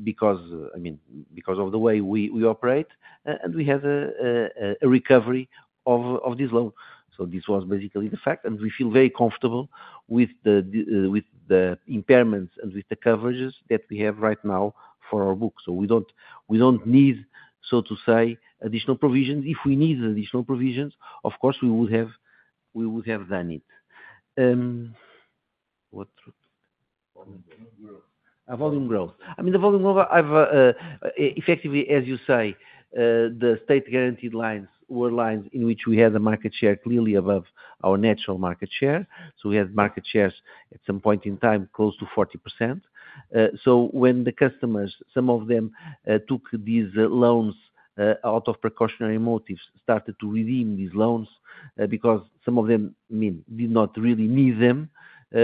because, I mean, because of the way we operate, and we have a recovery of this loan. So this was basically the fact, and we feel very comfortable with the impairments and with the coverages that we have right now for our books. So we don't need, so to say, additional provisions. If we need additional provisions, of course, we would have done it. What? Volume growth. I mean, the volume overview effectively, as you say, the state guaranteed lines were lines in which we had a market share clearly above our natural market share. So we had market shares at some point in time, close to 40%. So when the customers, some of them, took these loans out of precautionary motives, started to redeem these loans, because some of them, I mean, did not really need them,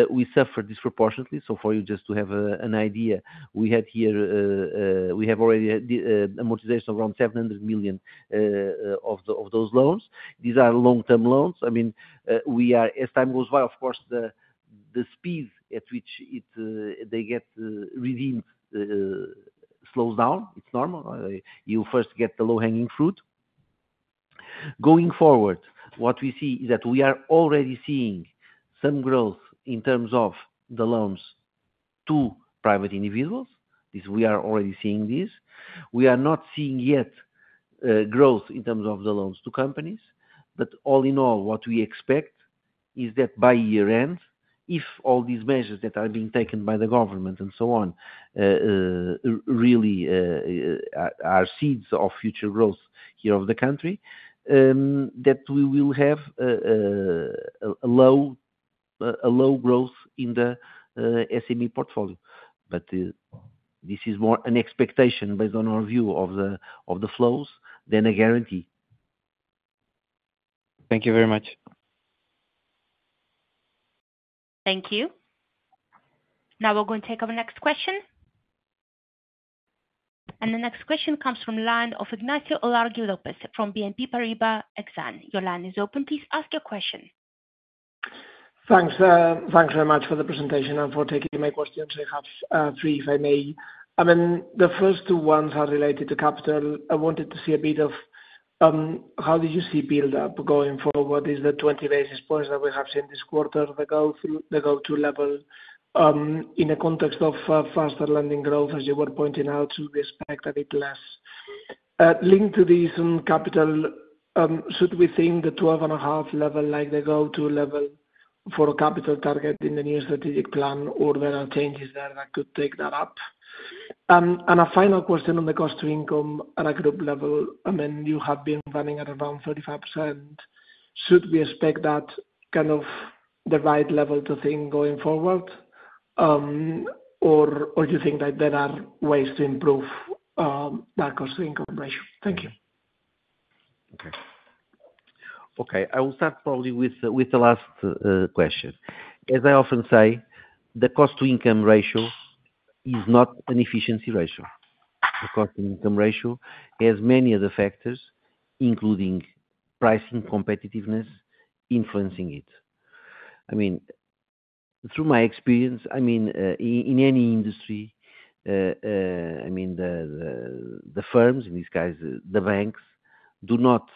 we suffered disproportionately. So for you just to have an idea we had here we have already had amortization around 700 million of those loans. These are long-term loans. I mean we are-- as time goes by, of course, the speed at which it they get redeemed slows down, it's normal. You first get the low-hanging fruit. Going forward, what we see is that we are already seeing some growth in terms of the loans to private individuals. This, we are already seeing this. We are not seeing yet growth in terms of the loans to companies, but all in all, what we expect is that by year end, if all these measures that are being taken by the government and so on really are seeds of future growth here of the country, that we will have a low growth in the SME portfolio. But this is more an expectation based on our view of the flows than a guarantee. Thank you very much. Thank you. Now we're going to take our next question. The next question comes from line of Ignacio Ulargui López from BNP Paribas Exane. Your line is open. Please ask your question. Thanks, thanks very much for the presentation and for taking my questions. I have three, if I may. I mean, the first two ones are related to capital. I wanted to see a bit of how do you see build up going forward? Is the 20 basis points that we have seen this quarter, the go through- the go-to level, in a context of faster lending growth, as you were pointing out, to expect a bit less. Linked to this, capital, should we think the 12.5 level, like the go-to level for capital target in the new strategic plan, or there are changes there that could take that up? And a final question on the cost to income at a group level, I mean, you have been running at around 35%. Should we expect that kind of the right level to think going forward, or do you think that there are ways to improve that cost to income ratio? Thank you. Okay. Okay, I will start probably with the last question. As I often say, the cost to income ratio is not an efficiency ratio. The cost to income ratio has many other factors, including pricing, competitiveness, influencing it. I mean, through my experience, I mean, in any industry, I mean, the firms, in this case, the banks, do not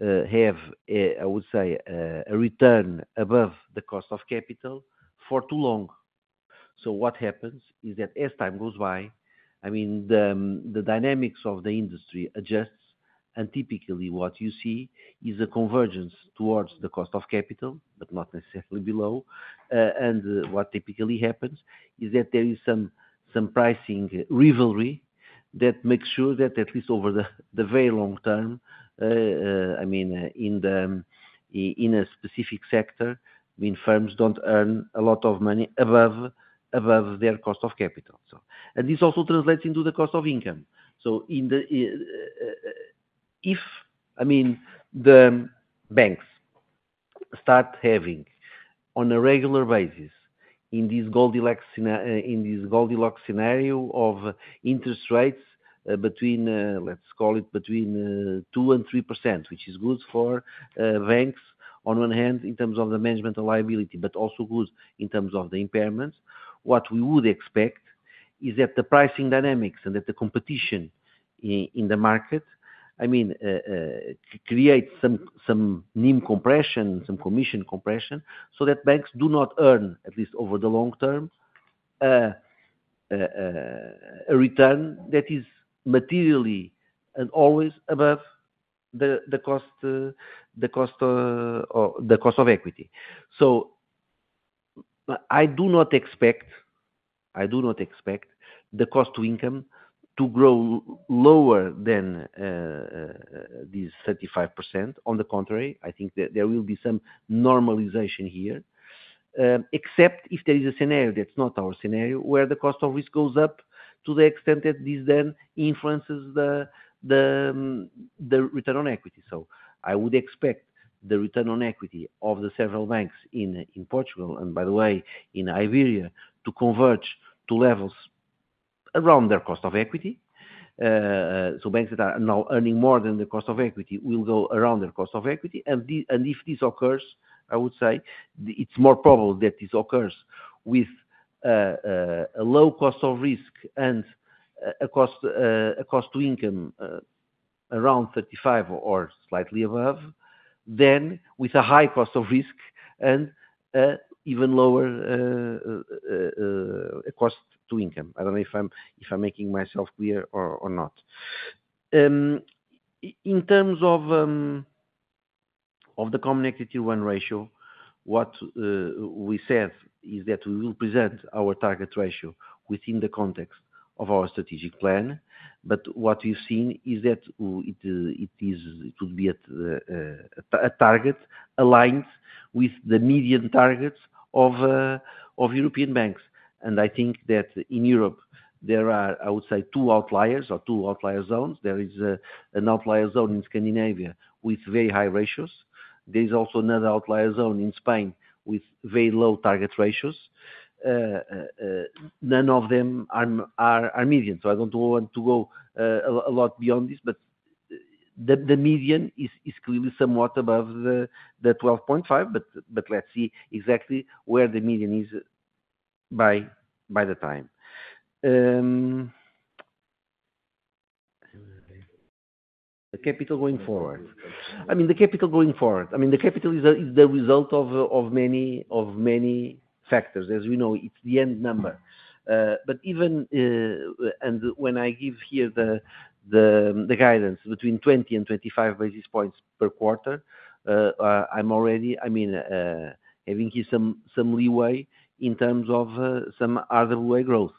have a, I would say, a return above the cost of capital for too long. So what happens is that as time goes by, I mean, the dynamics of the industry adjusts, and typically what you see is a convergence towards the cost of capital, but not necessarily below. And what typically happens is that there is some pricing rivalry that makes sure that at least over the very long term, I mean, in a specific sector, I mean, firms don't earn a lot of money above their cost of capital, so. And this also translates into the cost of income. So, I mean, the banks start having on a regular basis in this Goldilocks scenario of interest rates, between, let's call it between, 2% and 3%, which is good for banks on one hand, in terms of the asset-liability management, but also good in terms of the impairments. What we would expect is that the pricing dynamics and that the competition in the market, I mean, create some NIM compression, some commission compression, so that banks do not earn, at least over the long term, a return that is materially and always above the cost of equity. So I do not expect, I do not expect the cost to income to grow lower than this 35%. On the contrary, I think that there will be some normalization here, except if there is a scenario that's not our scenario, where the cost of risk goes up to the extent that this then influences the return on equity. So I would expect the return on equity of the several banks in Portugal, and by the way, in Iberia, to converge to levels around their cost of equity. So banks that are now earning more than the cost of equity will go around their cost of equity. And if this occurs, I would say it's more probable that this occurs with a low cost of risk and a cost to income around 35 or slightly above, than with a high cost of risk and even lower cost to income. I don't know if I'm making myself clear or not. In terms of the Common Equity Tier 1 ratio, what we said is that we will present our target ratio within the context of our strategic plan. But what we've seen is that it will be at a target aligns with the median targets of European banks. And I think that in Europe, there are, I would say, two outliers or two outlier zones. There is an outlier zone in Scandinavia with very high ratios. There is also another outlier zone in Spain with very low target ratios. None of them are median, so I don't want to go a lot beyond this. But the median is clearly somewhat above the 12.5, but let's see exactly where the median is by the time. The capital going forward. I mean, the capital going forward. I mean, the capital is the result of many factors. As we know, it's the end number. But even and when I give here the guidance between 20 and 25 basis points per quarter, I'm already, I mean, having here some leeway in terms of some other way growth.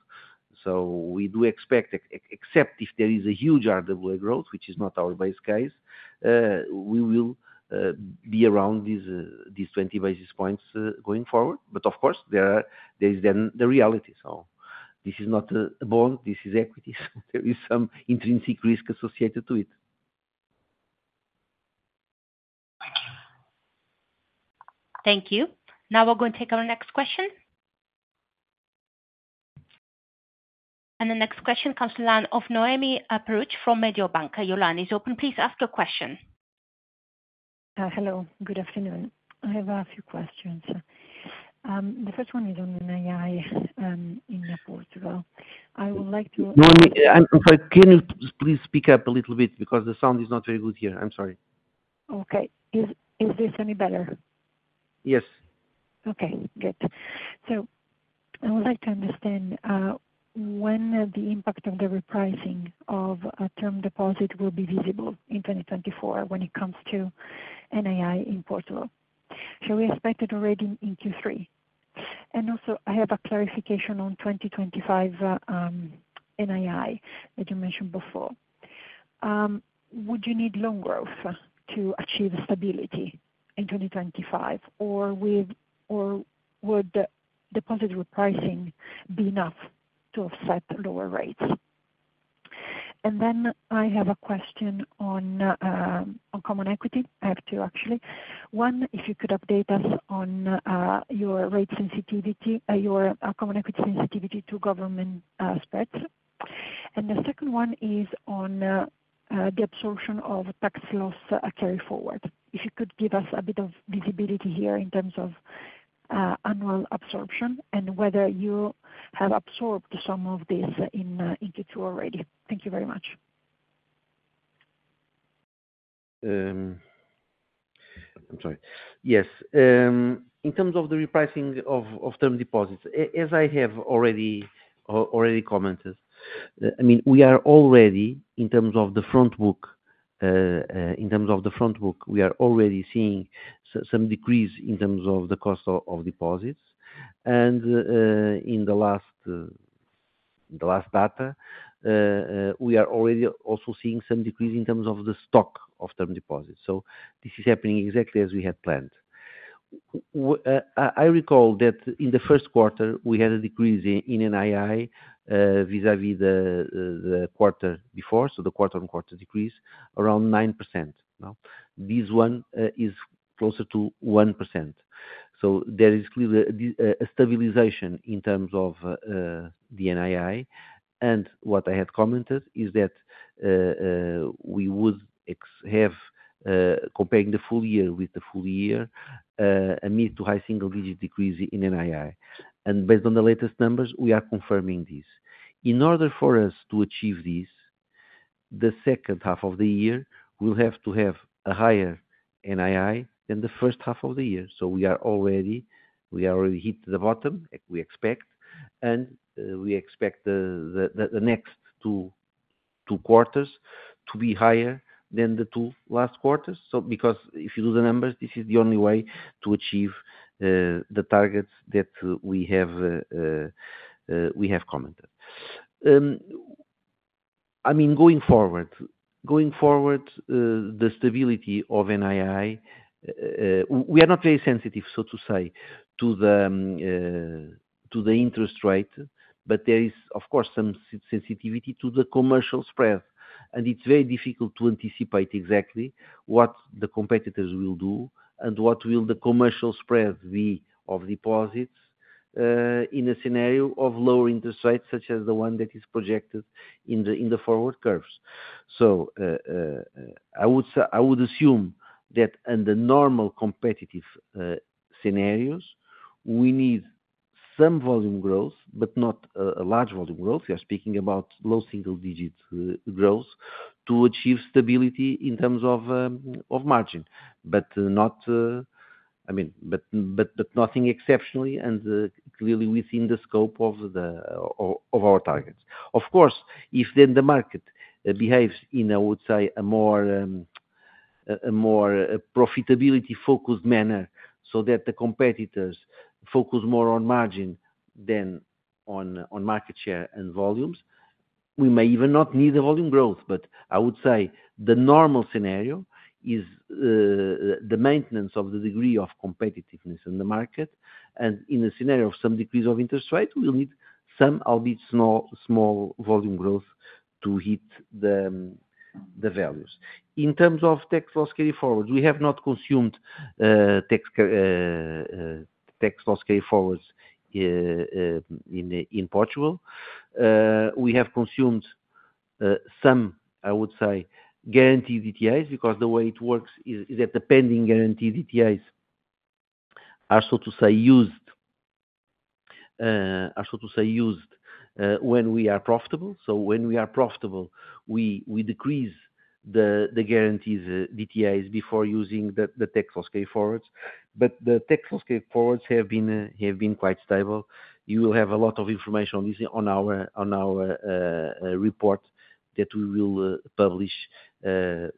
So we do expect, except if there is a huge RWA growth, which is not our base case, we will be around these 20 basis points going forward. But of course, there is then the reality. So this is not a bond, this is equities. There is some intrinsic risk associated to it. Thank you. Thank you. Now we're going to take our next question. The next question comes from the line of Noemi Peruch from Mediobanca. Your line is open, please ask your question. Hello, good afternoon. I have a few questions. The first one is on NII, in Portugal. I would like to- Noemi, I'm sorry, can you please speak up a little bit because the sound is not very good here? I'm sorry. Okay. Is this any better? Yes. Okay, good. So I would like to understand, when the impact of the repricing of a term deposit will be visible in 2024 when it comes to NII in Portugal. Shall we expect it already in Q3? And also, I have a clarification on 2025, NII, that you mentioned before. Would you need loan growth to achieve stability in 2025, or will, or would the deposit repricing be enough to offset lower rates? And then I have a question on, on common equity. I have two, actually. One, if you could update us on, your rate sensitivity, your common equity sensitivity to government, spreads. And the second one is on, the absorption of tax loss, carry forward. If you could give us a bit of visibility here in terms of annual absorption and whether you have absorbed some of this in in Q2 already. Thank you very much. I'm sorry. Yes. In terms of the repricing of term deposits, as I have already commented, I mean, we are already in terms of the front book, we are already seeing some decrease in terms of the cost of deposits. In the last data, we are already also seeing some decrease in terms of the stock of term deposits. So this is happening exactly as we had planned. I recall that in the first quarter, we had a decrease in NII vis-à-vis the quarter before, so the quarter-on-quarter decrease around 9%, no? This one is closer to 1%. So there is clearly a stabilization in terms of the NII. And what I had commented is that we would have comparing the full year with the full year a mid- to high-single-digit decrease in NII. And based on the latest numbers, we are confirming this. In order for us to achieve this, the second half of the year, we'll have to have a higher NII than the first half of the year. So we are already hit the bottom, we expect, and we expect the next two quarters to be higher than the two last quarters. So because if you do the numbers, this is the only way to achieve the targets that we have we have commented. I mean, going forward, the stability of NII, we are not very sensitive, so to say, to the interest rate, but there is, of course, some sensitivity to the commercial spread, and it's very difficult to anticipate exactly what the competitors will do and what will the commercial spread be of deposits in a scenario of lower interest rates, such as the one that is projected in the forward curves. So, I would assume that in the normal competitive scenarios, we need some volume growth, but not a large volume growth. We are speaking about low single digits growth to achieve stability in terms of of margin, but not... I mean, but nothing exceptionally and clearly within the scope of our targets. Of course, if then the market behaves in, I would say, a more profitability focused manner, so that the competitors focus more on margin than on market share and volumes, we may even not need the volume growth. But I would say the normal scenario is the maintenance of the degree of competitiveness in the market, and in a scenario of some decrease of interest rate, we will need some, albeit small, volume growth to hit the values. In terms of tax loss carry forward, we have not consumed tax loss carry forwards in Portugal. We have consumed some, I would say, guaranteed DTAs, because the way it works is that the pending guaranteed DTAs are, so to say, used when we are profitable. So when we are profitable, we decrease the guarantees, DTAs before using the tax loss carry forwards. But the tax loss carry forwards have been quite stable. You will have a lot of information on this, on our report that we will publish by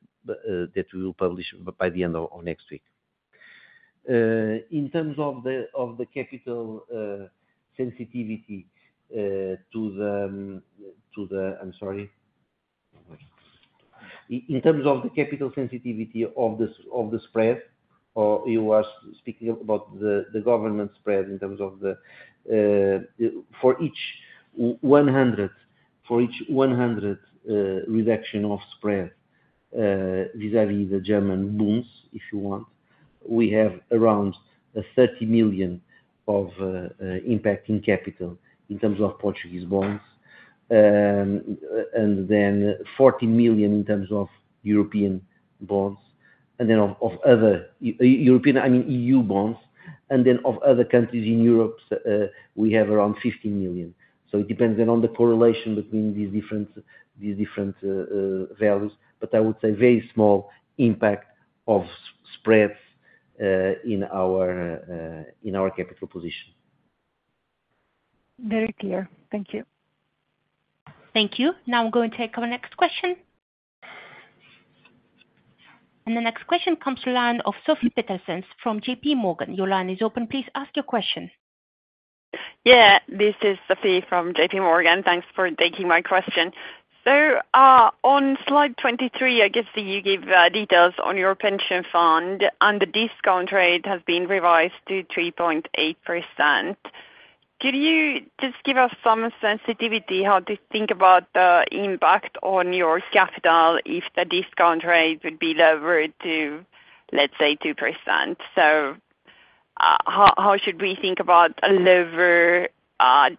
the end of next week. In terms of the capital sensitivity to the... I'm sorry. In terms of the capital sensitivity of the spread, or you are speaking about the government spread in terms of the, for each 100 reduction of spread, vis-à-vis the German Bunds, if you want, we have around 30 million impacting capital in terms of Portuguese bonds. And then 40 million in terms of European bonds and then of other European, I mean, EU bonds, and then of other countries in Europe, we have around 50 million. So it depends then on the correlation between these different values, but I would say very small impact of spreads in our capital position. Very clear. Thank you. Thank you. Now I'm going to take our next question. And the next question comes the line of Sophie Petersen from JPMorgan. Your line is open. Please ask your question. Yeah, this is Sophie from J.P. Morgan. Thanks for taking my question. So, on slide 23, I guess you give details on your pension fund, and the discount rate has been revised to 3.8%. Could you just give us some sensitivity on how to think about the impact on your capital if the discount rate would be lowered to, let's say, 2%? So, how, how should we think about a lower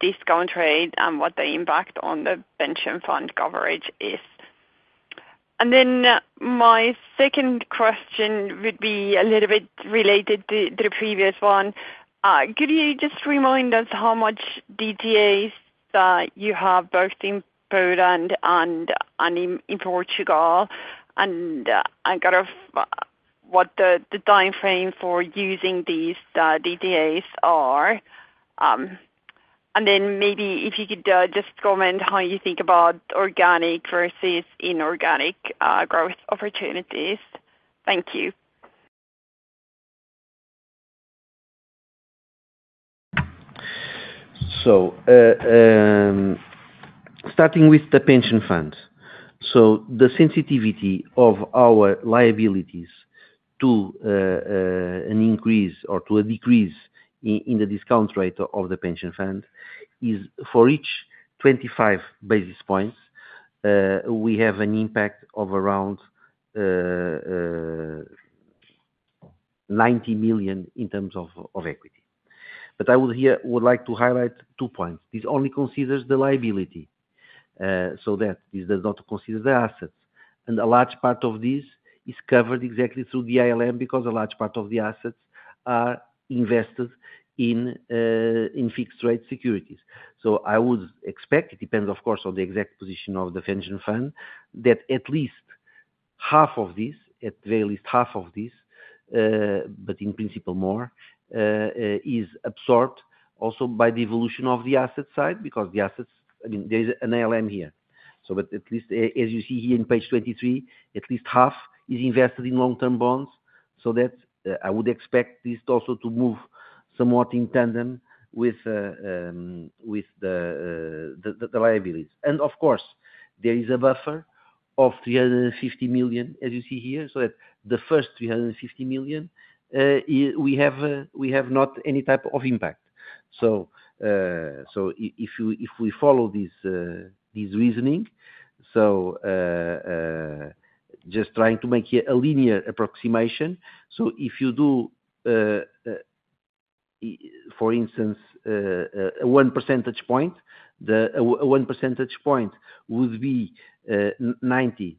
discount rate and what the impact on the pension fund coverage is? And then my second question would be a little bit related to the previous one. Could you just remind us how much DTAs that you have, both in Poland and in Portugal? And kind of what the time frame for using these DTAs are. And then maybe if you could just comment on how you think about organic versus inorganic growth opportunities. Thank you. Starting with the pension fund. The sensitivity of our liabilities to an increase or to a decrease in the discount rate of the pension fund is for each 25 basis points, we have an impact of around 90 million in terms of equity. But I would here, would like to highlight two points. This only considers the liability, so that this does not consider the assets. And a large part of this is covered exactly through the ALM, because a large part of the assets are invested in fixed rate securities. So I would expect, it depends, of course, on the exact position of the pension fund, that at least half of this, at very least half of this, but in principle more, is absorbed also by the evolution of the asset side, because the assets, I mean, there is an ALM here. So but at least as you see here on page 23, at least half is invested in long-term bonds. So that, I would expect this also to move somewhat in tandem with the liabilities. And of course, there is a buffer of 350 million, as you see here. So at the first 350 million, we have, we have not any type of impact. So if you, if we follow this, this reasoning, just trying to make here a linear approximation. So if you do, for instance, 1 percentage point, the, 1 percentage point would be, 90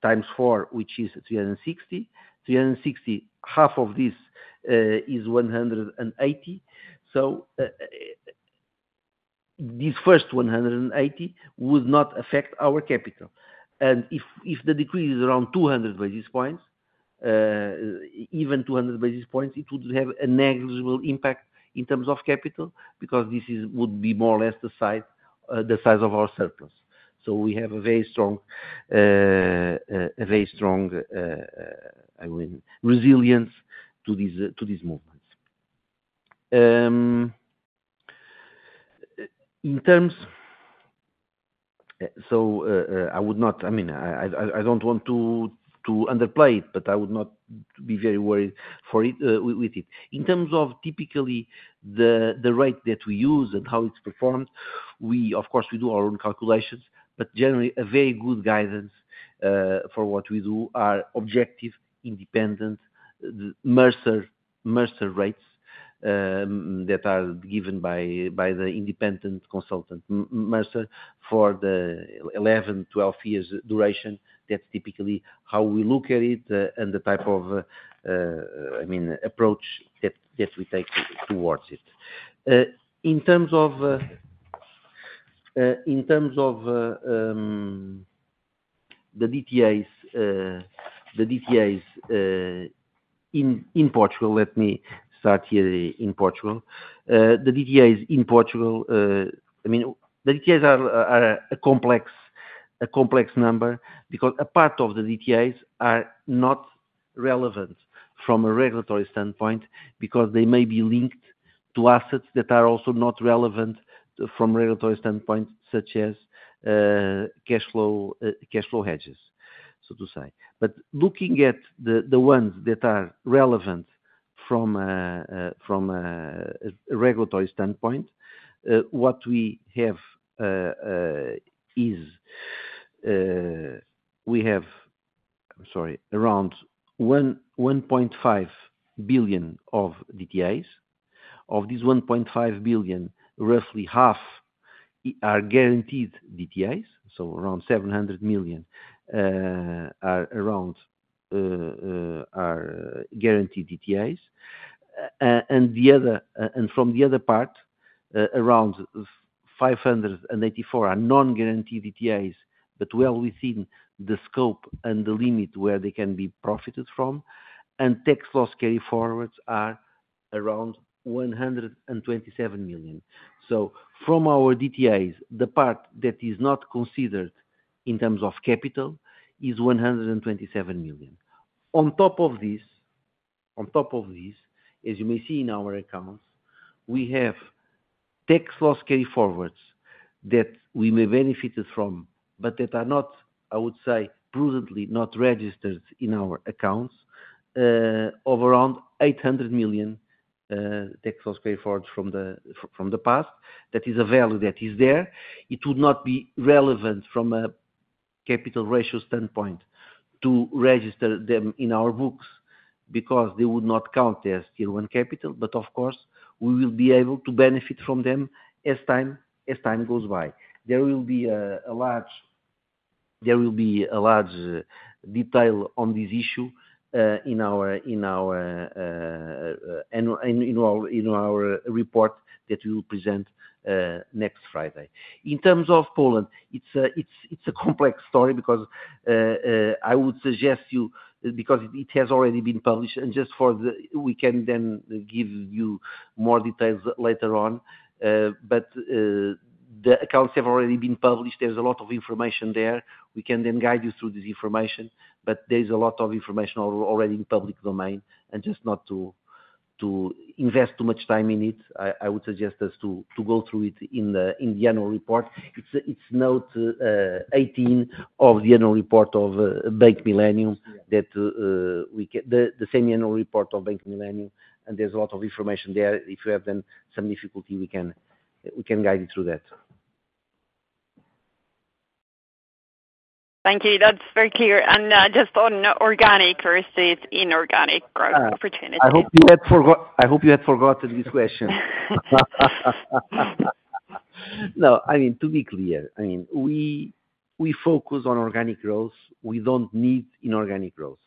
times 4, which is 360. 360, half of this, is 180. So, these first 180 would not affect our capital. And if, if the decrease is around 200 basis points, even 200 basis points, it would have a negligible impact in terms of capital, because this is, would be more or less the size, the size of our surplus. So we have a very strong, a very strong, I mean, resilience to these, to these movements. In terms, I would not, I mean, I don't want to underplay it, but I would not be very worried for it, with it. In terms of typically the rate that we use and how it's performed, we of course do our own calculations, but generally a very good guidance for what we do are objective, independent Mercer rates that are given by the independent consultant Mercer for the 11-12 years duration. That's typically how we look at it, and the type of, I mean, approach that we take towards it. In terms of the DTAs in Portugal, let me start here in Portugal. The DTAs in Portugal, I mean, the DTAs are a complex number, because a part of the DTAs are not relevant from a regulatory standpoint, because they may be linked to assets that are also not relevant from a regulatory standpoint, such as cash flow hedges, so to say. But looking at the ones that are relevant from a regulatory standpoint, what we have is we have, I'm sorry, around 1.5 billion of DTAs. Of these 1.5 billion, roughly half are guaranteed DTAs, so around 700 million are guaranteed DTAs. And the other and from the other part, around 584 million are non-guaranteed DTAs, but well within the scope and the limit where they can be profited from, and tax loss carry forwards are around 127 million. So from our DTAs, the part that is not considered in terms of capital is 127 million. On top of this, on top of this, as you may see in our accounts, we have tax loss carry forwards that we may benefit from, but that are not, I would say, prudently not registered in our accounts, of around 800 million, tax loss carry forward from the past. That is a value that is there. It would not be relevant from a capital ratio standpoint to register them in our books, because they would not count as Tier 1 capital, but of course, we will be able to benefit from them as time goes by. There will be a large detail on this issue in our report that we will present next Friday. In terms of Poland, it's a complex story because I would suggest you, because it has already been published, we can then give you more details later on. But the accounts have already been published. There's a lot of information there. We can then guide you through this information, but there's a lot of information already in public domain. And just not to invest too much time in it, I would suggest us to go through it in the annual report. It's note 18 of the annual report of Bank Millennium, that we can. The same annual report of Bank Millennium, and there's a lot of information there. If you have then some difficulty, we can guide you through that. Thank you. That's very clear. And, just on organic versus inorganic growth opportunity. I hope you had forgotten this question. No, I mean, to be clear, I mean, we focus on organic growth. We don't need inorganic growth.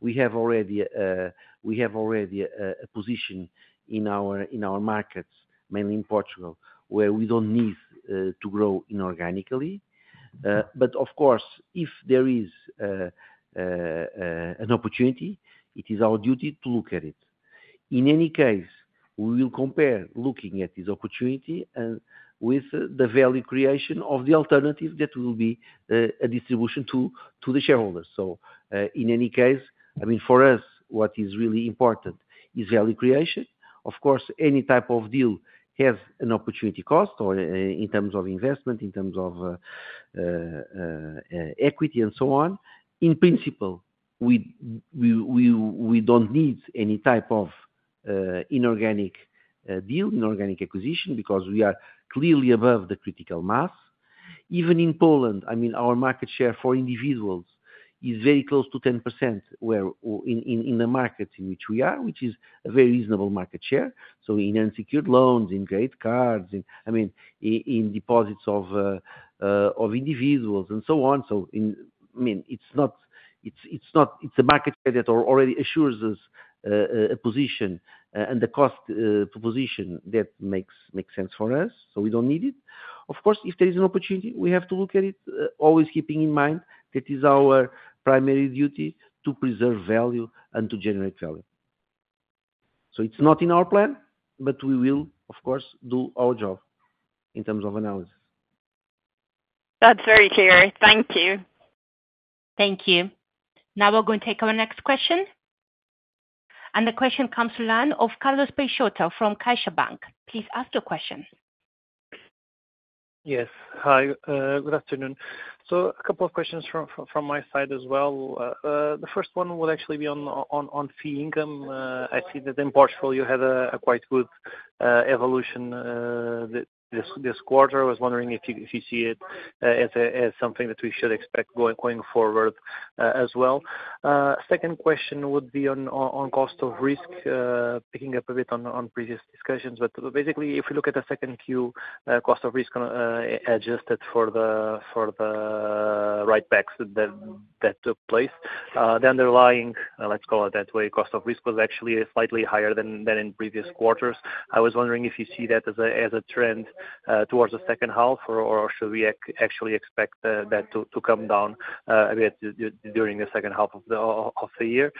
We have already a position in our markets, mainly in Portugal, where we don't need to grow inorganically. But of course, if there is an opportunity, it is our duty to look at it. In any case, we will compare looking at this opportunity and with the value creation of the alternative, that will be a distribution to the shareholders. So, in any case, I mean, for us, what is really important is value creation. Of course, any type of deal has an opportunity cost or in terms of investment, in terms of equity and so on. In principle, we don't need any type of inorganic deal, inorganic acquisition, because we are clearly above the critical mass. Even in Poland, I mean, our market share for individuals is very close to 10%, in the markets in which we are, which is a very reasonable market share. So in unsecured loans, in credit cards, in, I mean, in deposits of individuals and so on. So in, I mean, it's not, it's not—it's a market that already assures us a position. And the cost proposition that makes sense for us, so we don't need it. Of course, if there is an opportunity, we have to look at it, always keeping in mind that is our primary duty to preserve value and to generate value. It's not in our plan, but we will, of course, do our job in terms of analysis. That's very clear. Thank you. Thank you. Now we're going to take our next question. The question comes to line of Carlos Peixoto from CaixaBank. Please ask your question. Yes. Hi, good afternoon. So a couple of questions from my side as well. The first one would actually be on fee income. I see that in Portugal you had a quite good evolution this quarter. I was wondering if you see it as something that we should expect going forward as well? Second question would be on cost of risk, picking up a bit on previous discussions. But basically, if you look at the second Q, cost of risk adjusted for the write backs that took place, the underlying, let's call it that way, cost of risk was actually slightly higher than in previous quarters. I was wondering if you see that as a trend towards the second half, or should we actually expect that to come down a bit during the second half of the year?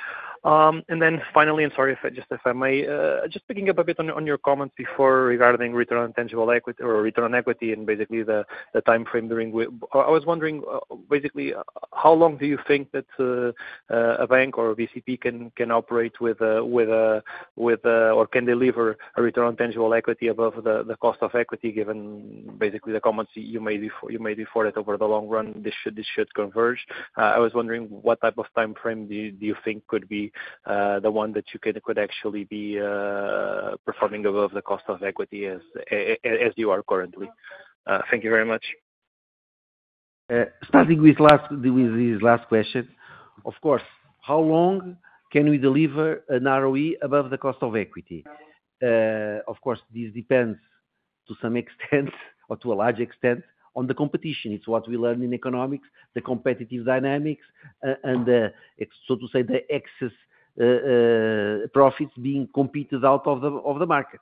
And then finally, and sorry, if I just, if I may, just picking up a bit on your comments before regarding return on tangible equity or return on equity, and basically the time frame during which I was wondering basically how long do you think that a bank or BCP can operate with a or can deliver a return on tangible equity above the cost of equity, given basically the comments you made before that over the long run this should converge? I was wondering what type of time frame do you think could be the one that you could actually be performing above the cost of equity as you are currently? Thank you very much. Starting with this last question, of course, how long can we deliver an ROE above the cost of equity? Of course, this depends to some extent or to a large extent on the competition. It's what we learn in economics, the competitive dynamics, and it's so to say, the excess profits being competed out of the market.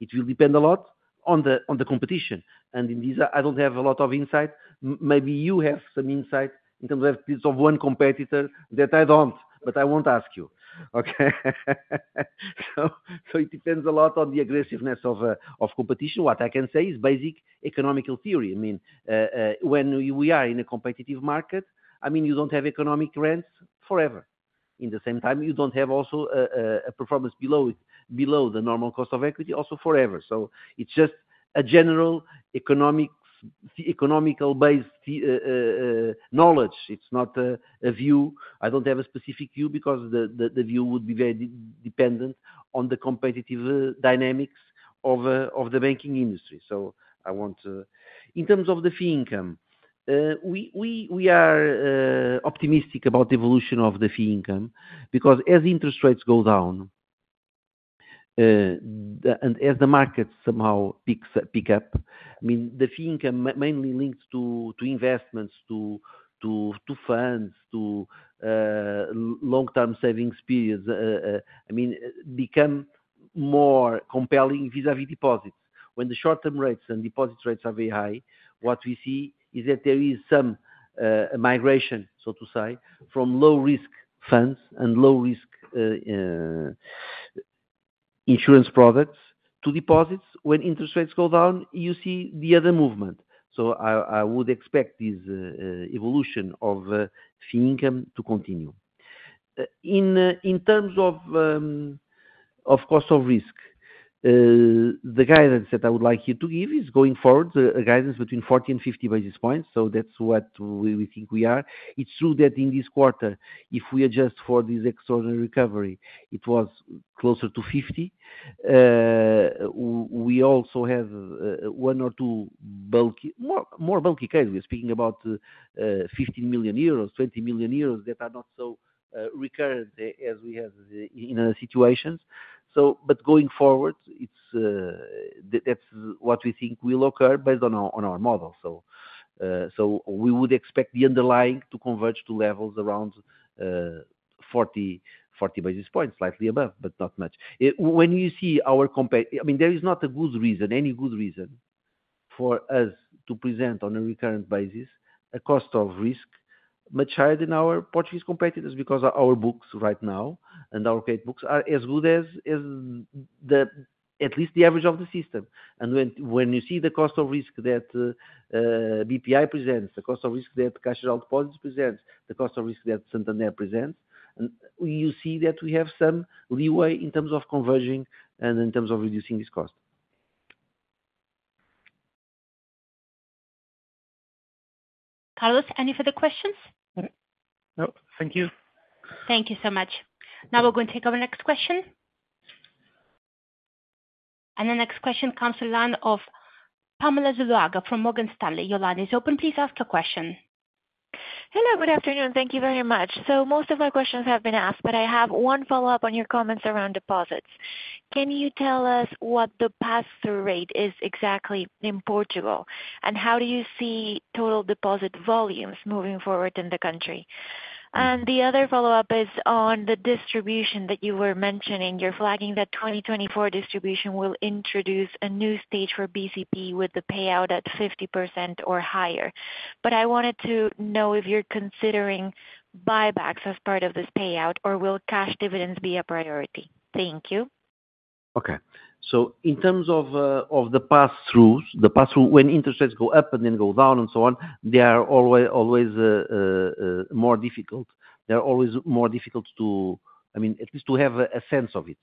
It will depend a lot on the competition, and in this, I don't have a lot of insight. Maybe you have some insight in terms of one competitor that I don't, but I won't ask you, okay? So it depends a lot on the aggressiveness of competition. What I can say is basic economical theory. I mean, when we are in a competitive market, I mean, you don't have economic rents forever. In the same time, you don't have also a performance below the normal cost of equity, also forever. So it's just a general economical-based knowledge. It's not a view. I don't have a specific view because the view would be very dependent on the competitive dynamics of the banking industry. So I want to... In terms of the fee income, we are optimistic about the evolution of the fee income because as interest rates go down, and as the market somehow picks up, I mean, the fee income mainly links to funds, to long-term savings periods, I mean, become more compelling vis-a-vis deposits. When the short-term rates and deposit rates are very high, what we see is that there is some migration, so to say, from low-risk funds and low-risk insurance products to deposits. When interest rates go down, you see the other movement. So I would expect this evolution of fee income to continue. In terms of cost of risk, the guidance that I would like you to give is going forward, a guidance between 40 and 50 basis points. So that's what we think we are. It's true that in this quarter, if we adjust for this extraordinary recovery, it was closer to 50. We also have one or two bulky, more bulky cases. We're speaking about 15 million euros, 20 million euros, that are not so recurrent as we have in other situations. So, but going forward, it's that's what we think will occur based on our, on our model. So, so we would expect the underlying to converge to levels around 40 basis points, slightly above, but not much. I mean, there is not a good reason, any good reason, for us to present on a recurrent basis, a cost of risk much higher than our Portuguese competitors, because our books right now, and our BCP books, are as good as, as the, at least the average of the system. When you see the cost of risk that BPI presents, the cost of risk that Caixa Geral de Depósitos presents, the cost of risk that Santander presents, and you see that we have some leeway in terms of converging and in terms of reducing this cost. Carlos, any further questions? Nope. Thank you. Thank you so much. Now we're going to take our next question. The next question comes to line of Pamela Zuluaga from Morgan Stanley. Your line is open, please ask your question. Hello, good afternoon. Thank you very much. Most of my questions have been asked, but I have one follow-up on your comments around deposits. Can you tell us what the pass-through rate is exactly in Portugal, and how do you see total deposit volumes moving forward in the country?... And the other follow-up is on the distribution that you were mentioning. You're flagging that 2024 distribution will introduce a new stage for BCP with the payout at 50% or higher. But I wanted to know if you're considering buybacks as part of this payout, or will cash dividends be a priority? Thank you. Okay. So in terms of the pass-throughs, the pass-through, when interest rates go up and then go down and so on, they are always more difficult. They're always more difficult to—I mean, at least to have a sense of it.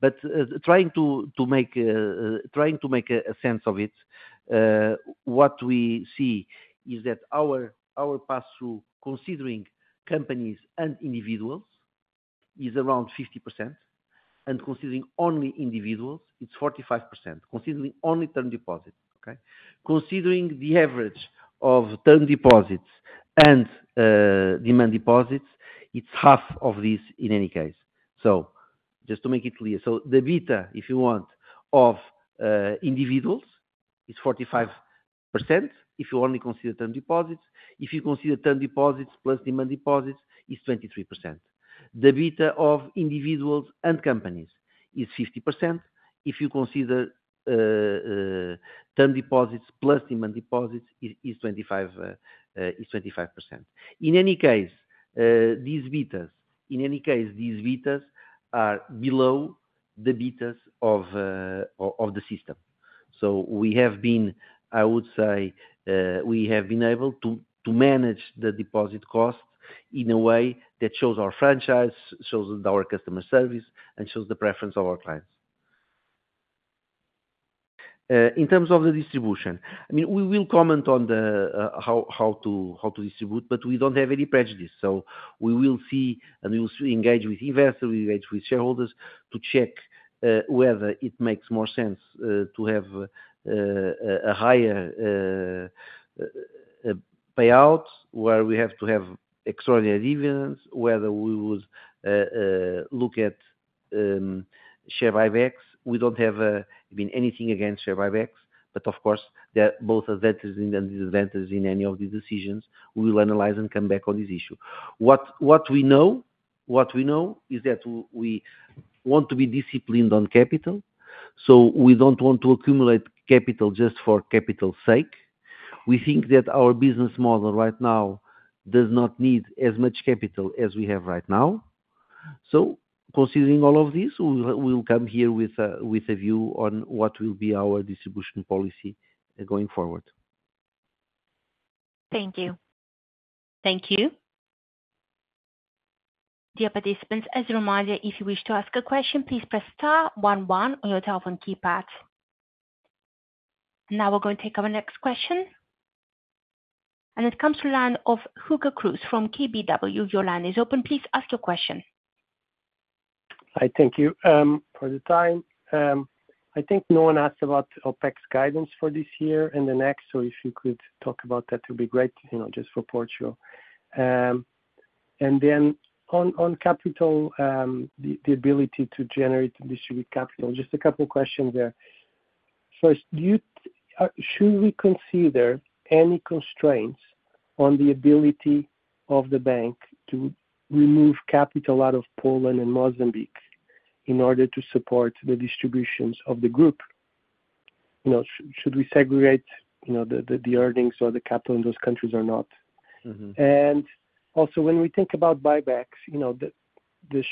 But trying to make a sense of it, what we see is that our pass-through, considering companies and individuals, is around 50%, and considering only individuals, it's 45%, considering only term deposits, okay? Considering the average of term deposits and demand deposits, it's half of this in any case. So just to make it clear, so the beta, if you want, of individuals, is 45%, if you only consider term deposits. If you consider term deposits plus demand deposits, it's 23%. The beta of individuals and companies is 50%. If you consider term deposits plus demand deposits, it is 25%, it's 25%. In any case, these betas, in any case, these betas are below the betas of the system. So we have been, I would say, we have been able to manage the deposit cost in a way that shows our franchise, shows our customer service, and shows the preference of our clients. In terms of the distribution, I mean, we will comment on the how to distribute, but we don't have any prejudice. So we will see, and we will engage with investors, we engage with shareholders to check whether it makes more sense to have a higher payout, where we have to have extraordinary dividends, whether we would look at share buybacks. We don't have been anything against share buybacks, but of course, there are both advantages and disadvantages in any of these decisions. We will analyze and come back on this issue. What we know is that we want to be disciplined on capital, so we don't want to accumulate capital just for capital's sake. We think that our business model right now does not need as much capital as we have right now. So considering all of this, we will come here with a view on what will be our distribution policy going forward. Thank you. Thank you. Dear participants, as a reminder, if you wish to ask a question, please press star one one on your telephone keypad. Now we're going to take our next question, and it comes to the line of Hugo Cruz from KBW. Your line is open. Please ask your question. Hi, thank you for the time. I think no one asked about OPEX guidance for this year and the next, so if you could talk about that, that would be great, you know, just for Portugal. And then on capital, the ability to generate and distribute capital, just a couple questions there. First, should we consider any constraints on the ability of the bank to remove capital out of Poland and Mozambique in order to support the distributions of the group? You know, should we segregate, you know, the earnings or the capital in those countries or not? Mm-hmm. Also, when we think about buybacks, you know, the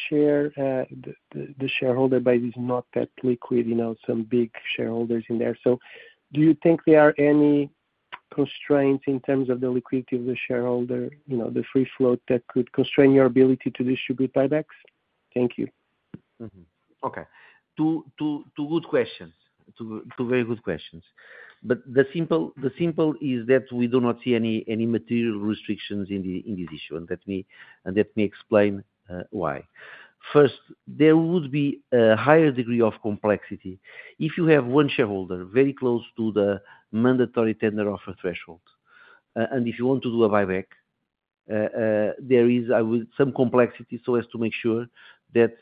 shareholder base is not that liquid, you know, some big shareholders in there. So do you think there are any constraints in terms of the liquidity of the shareholder, you know, the free float, that could constrain your ability to distribute buybacks? Thank you. Mm-hmm. Okay. Two very good questions. But the simple is that we do not see any material restrictions in this issue, and let me explain why. First, there would be a higher degree of complexity. If you have one shareholder very close to the mandatory tender offer threshold, and if you want to do a buyback, there is some complexity, so as to make sure that,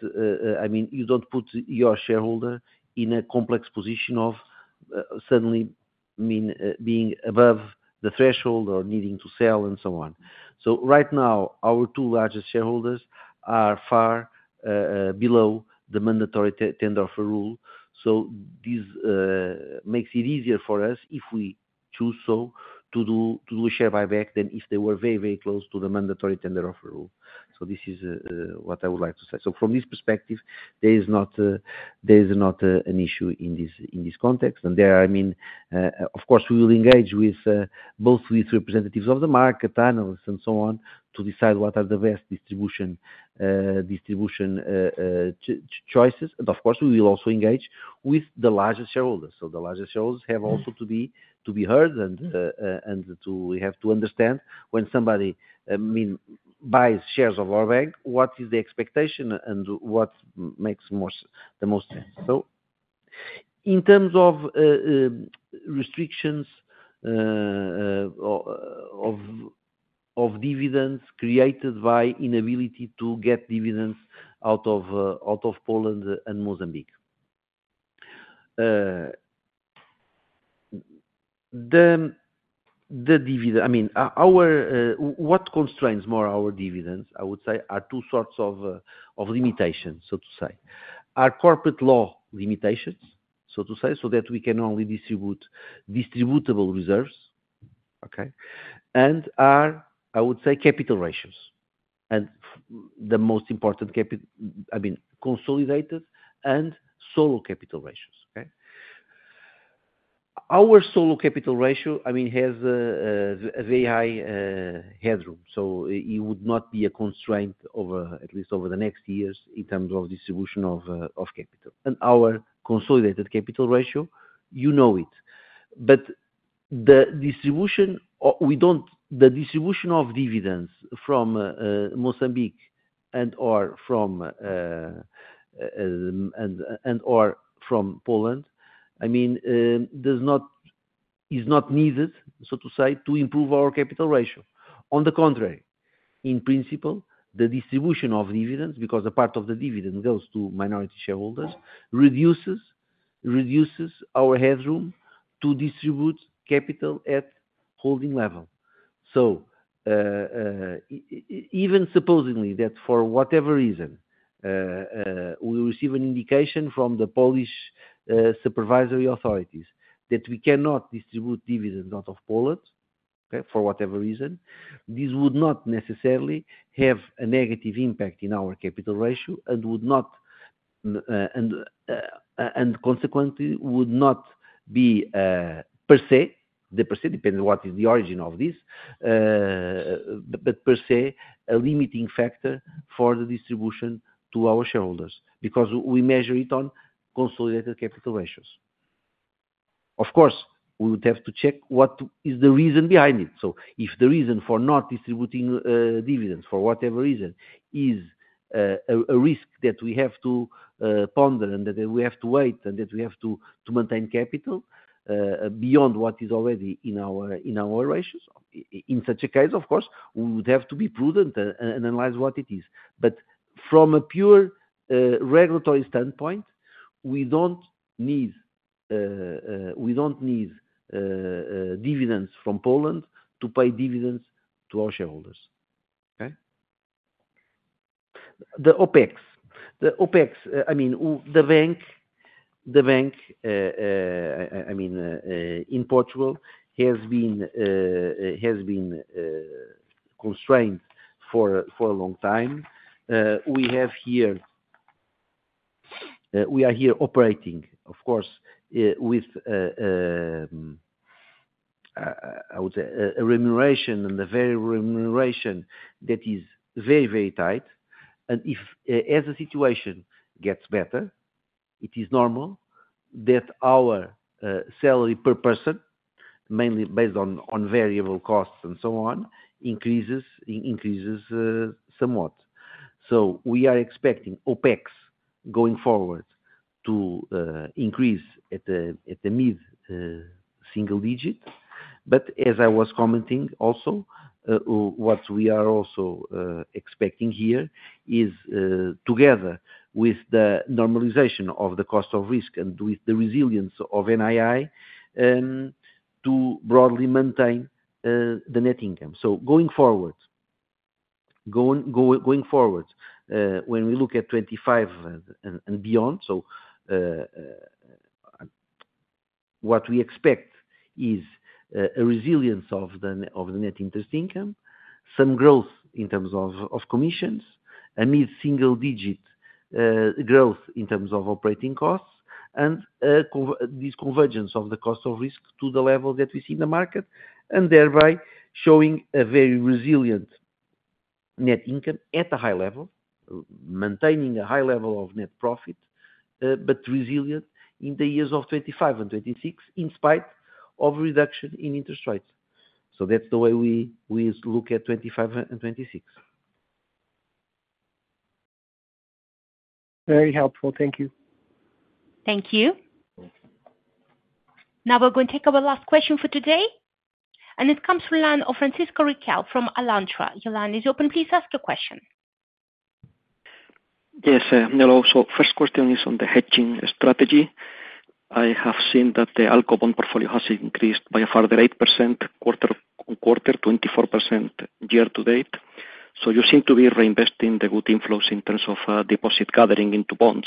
I mean, you don't put your shareholder in a complex position of suddenly, I mean, being above the threshold or needing to sell and so on. So right now, our two largest shareholders are far below the mandatory 10-tender offer rule, so this makes it easier for us, if we choose so, to do share buyback than if they were very, very close to the mandatory tender offer rule. So this is what I would like to say. So from this perspective, there is not an issue in this context, and there, I mean, of course, we will engage with both with representatives of the market, analysts, and so on, to decide what are the best distribution choices. And of course, we will also engage with the largest shareholders. So the largest shareholders have also to be heard and to... We have to understand when somebody, I mean, buys shares of our bank, what is the expectation and what makes the most sense? So in terms of restrictions of dividends created by inability to get dividends out of out of Poland and Mozambique? The dividend, I mean, our what constrains more our dividends, I would say, are two sorts of limitations, so to say. Our corporate law limitations, so to say, so that we can only distribute distributable reserves, okay? And our, I would say, capital ratios, and the most important I mean, consolidated and solo capital ratios, okay? Our solo capital ratio, I mean, has a very high headroom, so it would not be a constraint over, at least over the next years in terms of distribution of capital. And our consolidated capital ratio, you know it. But the distribution of dividends from Mozambique and or from Poland, I mean, is not needed, so to say, to improve our capital ratio. On the contrary, in principle, the distribution of dividends, because a part of the dividend goes to minority shareholders, reduces our headroom to distribute capital at holding level. Even supposedly that for whatever reason we receive an indication from the Polish supervisory authorities that we cannot distribute dividends out of Poland, okay, for whatever reason, this would not necessarily have a negative impact in our capital ratio and would not and consequently would not be per se, depending on what is the origin of this, but per se, a limiting factor for the distribution to our shareholders, because we measure it on consolidated capital ratios. Of course, we would have to check what is the reason behind it. So if the reason for not distributing dividends for whatever reason is a risk that we have to ponder and that we have to wait, and that we have to maintain capital beyond what is already in our ratios, in such a case, of course, we would have to be prudent and analyze what it is. But from a pure regulatory standpoint, we don't need dividends from Poland to pay dividends to our shareholders. Okay? The OpEx. The OpEx, I mean, the bank in Portugal has been constrained for a long time. We have here, we are here operating, of course, with, I would say, a remuneration, and a very remuneration that is very, very tight. And if, as the situation gets better, it is normal that our salary per person, mainly based on, on variable costs and so on, increases, increases, somewhat. So we are expecting OpEx, going forward, to increase at a mid single digit. But as I was commenting also, what we are also expecting here is, together with the normalization of the cost of risk and with the resilience of NII, to broadly maintain the net income. So going forward, when we look at 2025 and beyond, what we expect is a resilience of the net interest income, some growth in terms of commissions, a mid-single-digit growth in terms of operating costs, and this convergence of the cost of risk to the level that we see in the market, and thereby showing a very resilient net income at a high level, maintaining a high level of net profit, but resilient in the years of 2025 and 2026, in spite of reduction in interest rates. So that's the way we look at 2025 and 2026. Very helpful. Thank you. Thank you. Now, we're going to take our last question for today, and it comes from the line of Francisco Riquel from Alantra. Your line is open, please ask your question. Yes, hello. So first question is on the hedging strategy. I have seen that the Alco bond portfolio has increased by a further 8% quarter-over-quarter, 24% year-to-date. So you seem to be reinvesting the good inflows in terms of, deposit gathering into bonds.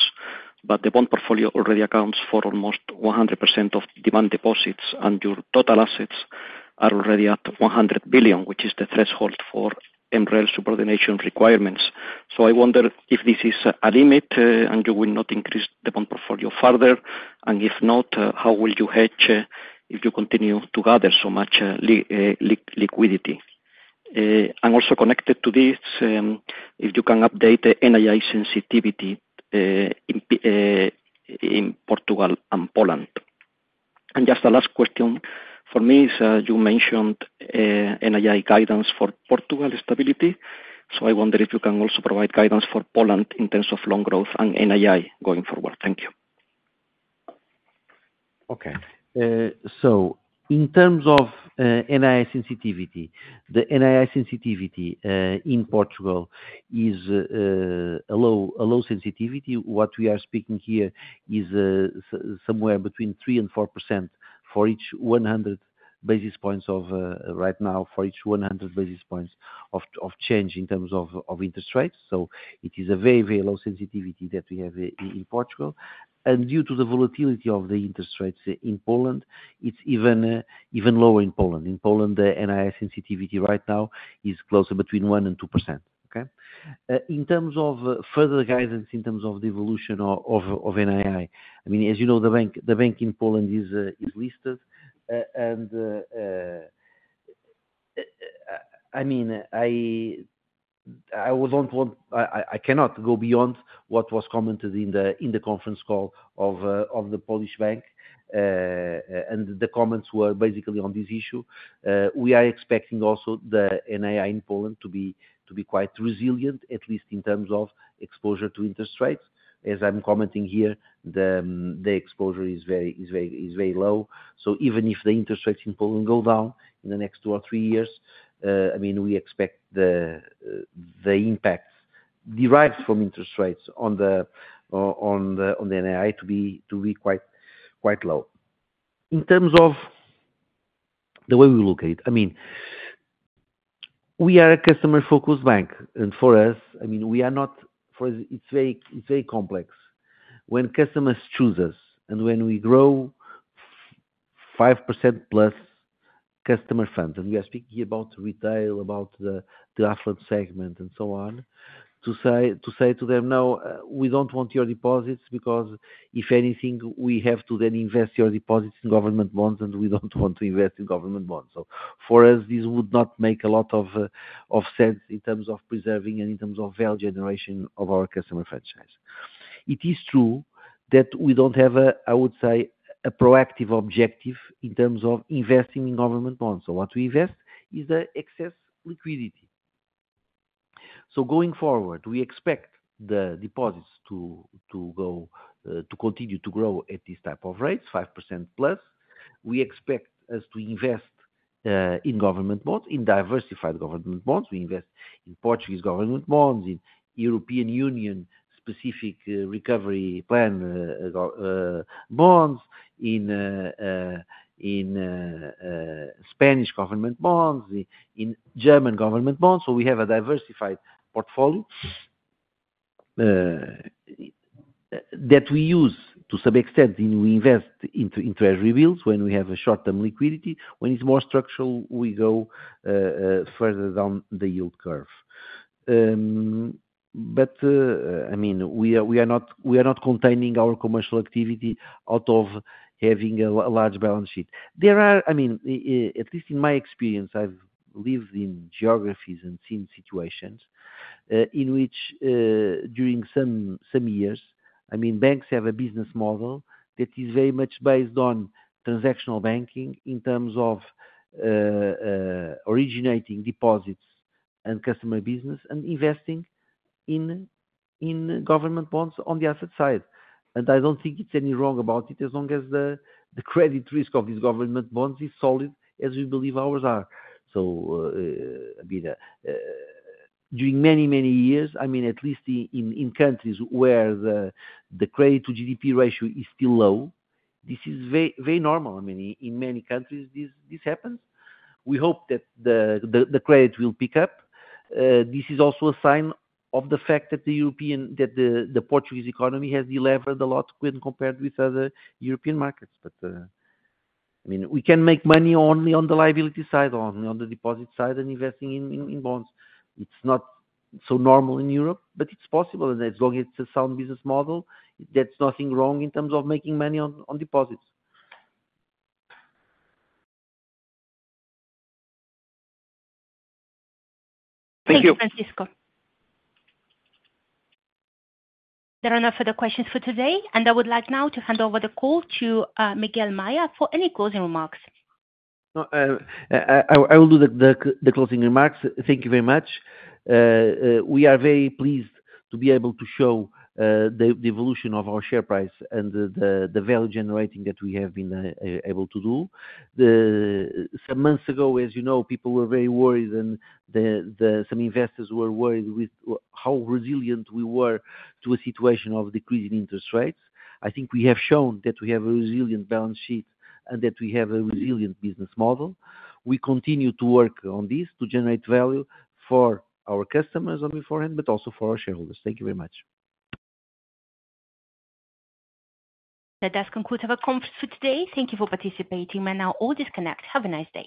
But the bond portfolio already accounts for almost 100% of demand deposits, and your total assets are already at 100 billion, which is the threshold for MREL subordination requirements. So I wonder if this is a limit, and you will not increase the bond portfolio further, and if not, how will you hedge, if you continue to gather so much, liquidity? And also connected to this, if you can update the NII sensitivity, in Portugal and Poland. Just the last question for me is, you mentioned NII guidance for Portugal stability, so I wonder if you can also provide guidance for Poland in terms of loan growth and NII going forward. Thank you.... Okay. So in terms of NII sensitivity, the NII sensitivity in Portugal is a low, a low sensitivity. What we are speaking here is somewhere between 3% and 4% for each 100 basis points right now, for each 100 basis points of change in terms of interest rates. So it is a very, very low sensitivity that we have in Portugal, and due to the volatility of the interest rates in Poland, it's even even lower in Poland. In Poland, the NII sensitivity right now is closer between 1% and 2%. Okay? In terms of further guidance, in terms of the evolution of NII, I mean, as you know, the bank in Poland is listed, and I mean, I cannot go beyond what was commented in the conference call of the Polish bank. And the comments were basically on this issue. We are expecting also the NII in Poland to be quite resilient, at least in terms of exposure to interest rates. As I'm commenting here, the exposure is very low. So even if the interest rates in Poland go down in the next two or three years, I mean, we expect the impact derives from interest rates on the NII to be quite low. In terms of the way we look at it, I mean, we are a customer-focused bank, and for us, I mean, we are not for it, it's very complex. When customers choose us and when we grow 5%+ customer funds, and we are speaking about retail, about the affluent segment and so on, to say to them, "No, we don't want your deposits, because if anything, we have to then invest your deposits in government bonds, and we don't want to invest in government bonds." So for us, this would not make a lot of sense in terms of preserving and in terms of value generation of our customer franchise. It is true that we don't have a, I would say, a proactive objective in terms of investing in government bonds. So what we invest is the excess liquidity. So going forward, we expect the deposits to go to continue to grow at this type of rates, 5%+. We expect us to invest in government bonds, in diversified government bonds. We invest in Portuguese government bonds, in European Union specific recovery plan bonds, in Spanish government bonds, in German government bonds. So we have a diversified portfolio that we use to some extent, and we invest into our reserves when we have a short-term liquidity. When it's more structural, we go further down the yield curve. But I mean, we are not containing our commercial activity out of having a large balance sheet. There are... I mean, at least in my experience, I've lived in geographies and seen situations, in which, during some years, I mean, banks have a business model that is very much based on transactional banking in terms of, originating deposits and customer business, and investing in government bonds on the asset side. And I don't think it's any wrong about it, as long as the credit risk of these government bonds is solid, as we believe ours are. So, I mean, during many years, I mean, at least in countries where the credit to GDP ratio is still low, this is very normal. I mean, in many countries, this happens. We hope that the credit will pick up. This is also a sign of the fact that the Portuguese economy has delevered a lot when compared with other European markets. But, I mean, we can make money only on the liability side, only on the deposit side and investing in bonds. It's not so normal in Europe, but it's possible, and as long as it's a sound business model, there's nothing wrong in terms of making money on deposits. Thank you, Francisco. There are no further questions for today, and I would like now to hand over the call to, Miguel Maya for any closing remarks. No, I will do the closing remarks. Thank you very much. We are very pleased to be able to show the evolution of our share price and the value generating that we have been able to do. Some months ago, as you know, people were very worried and some investors were worried with how resilient we were to a situation of decreasing interest rates. I think we have shown that we have a resilient balance sheet and that we have a resilient business model. We continue to work on this to generate value for our customers on beforehand, but also for our shareholders. Thank you very much. That does conclude our conference for today. Thank you for participating. You may now all disconnect. Have a nice day.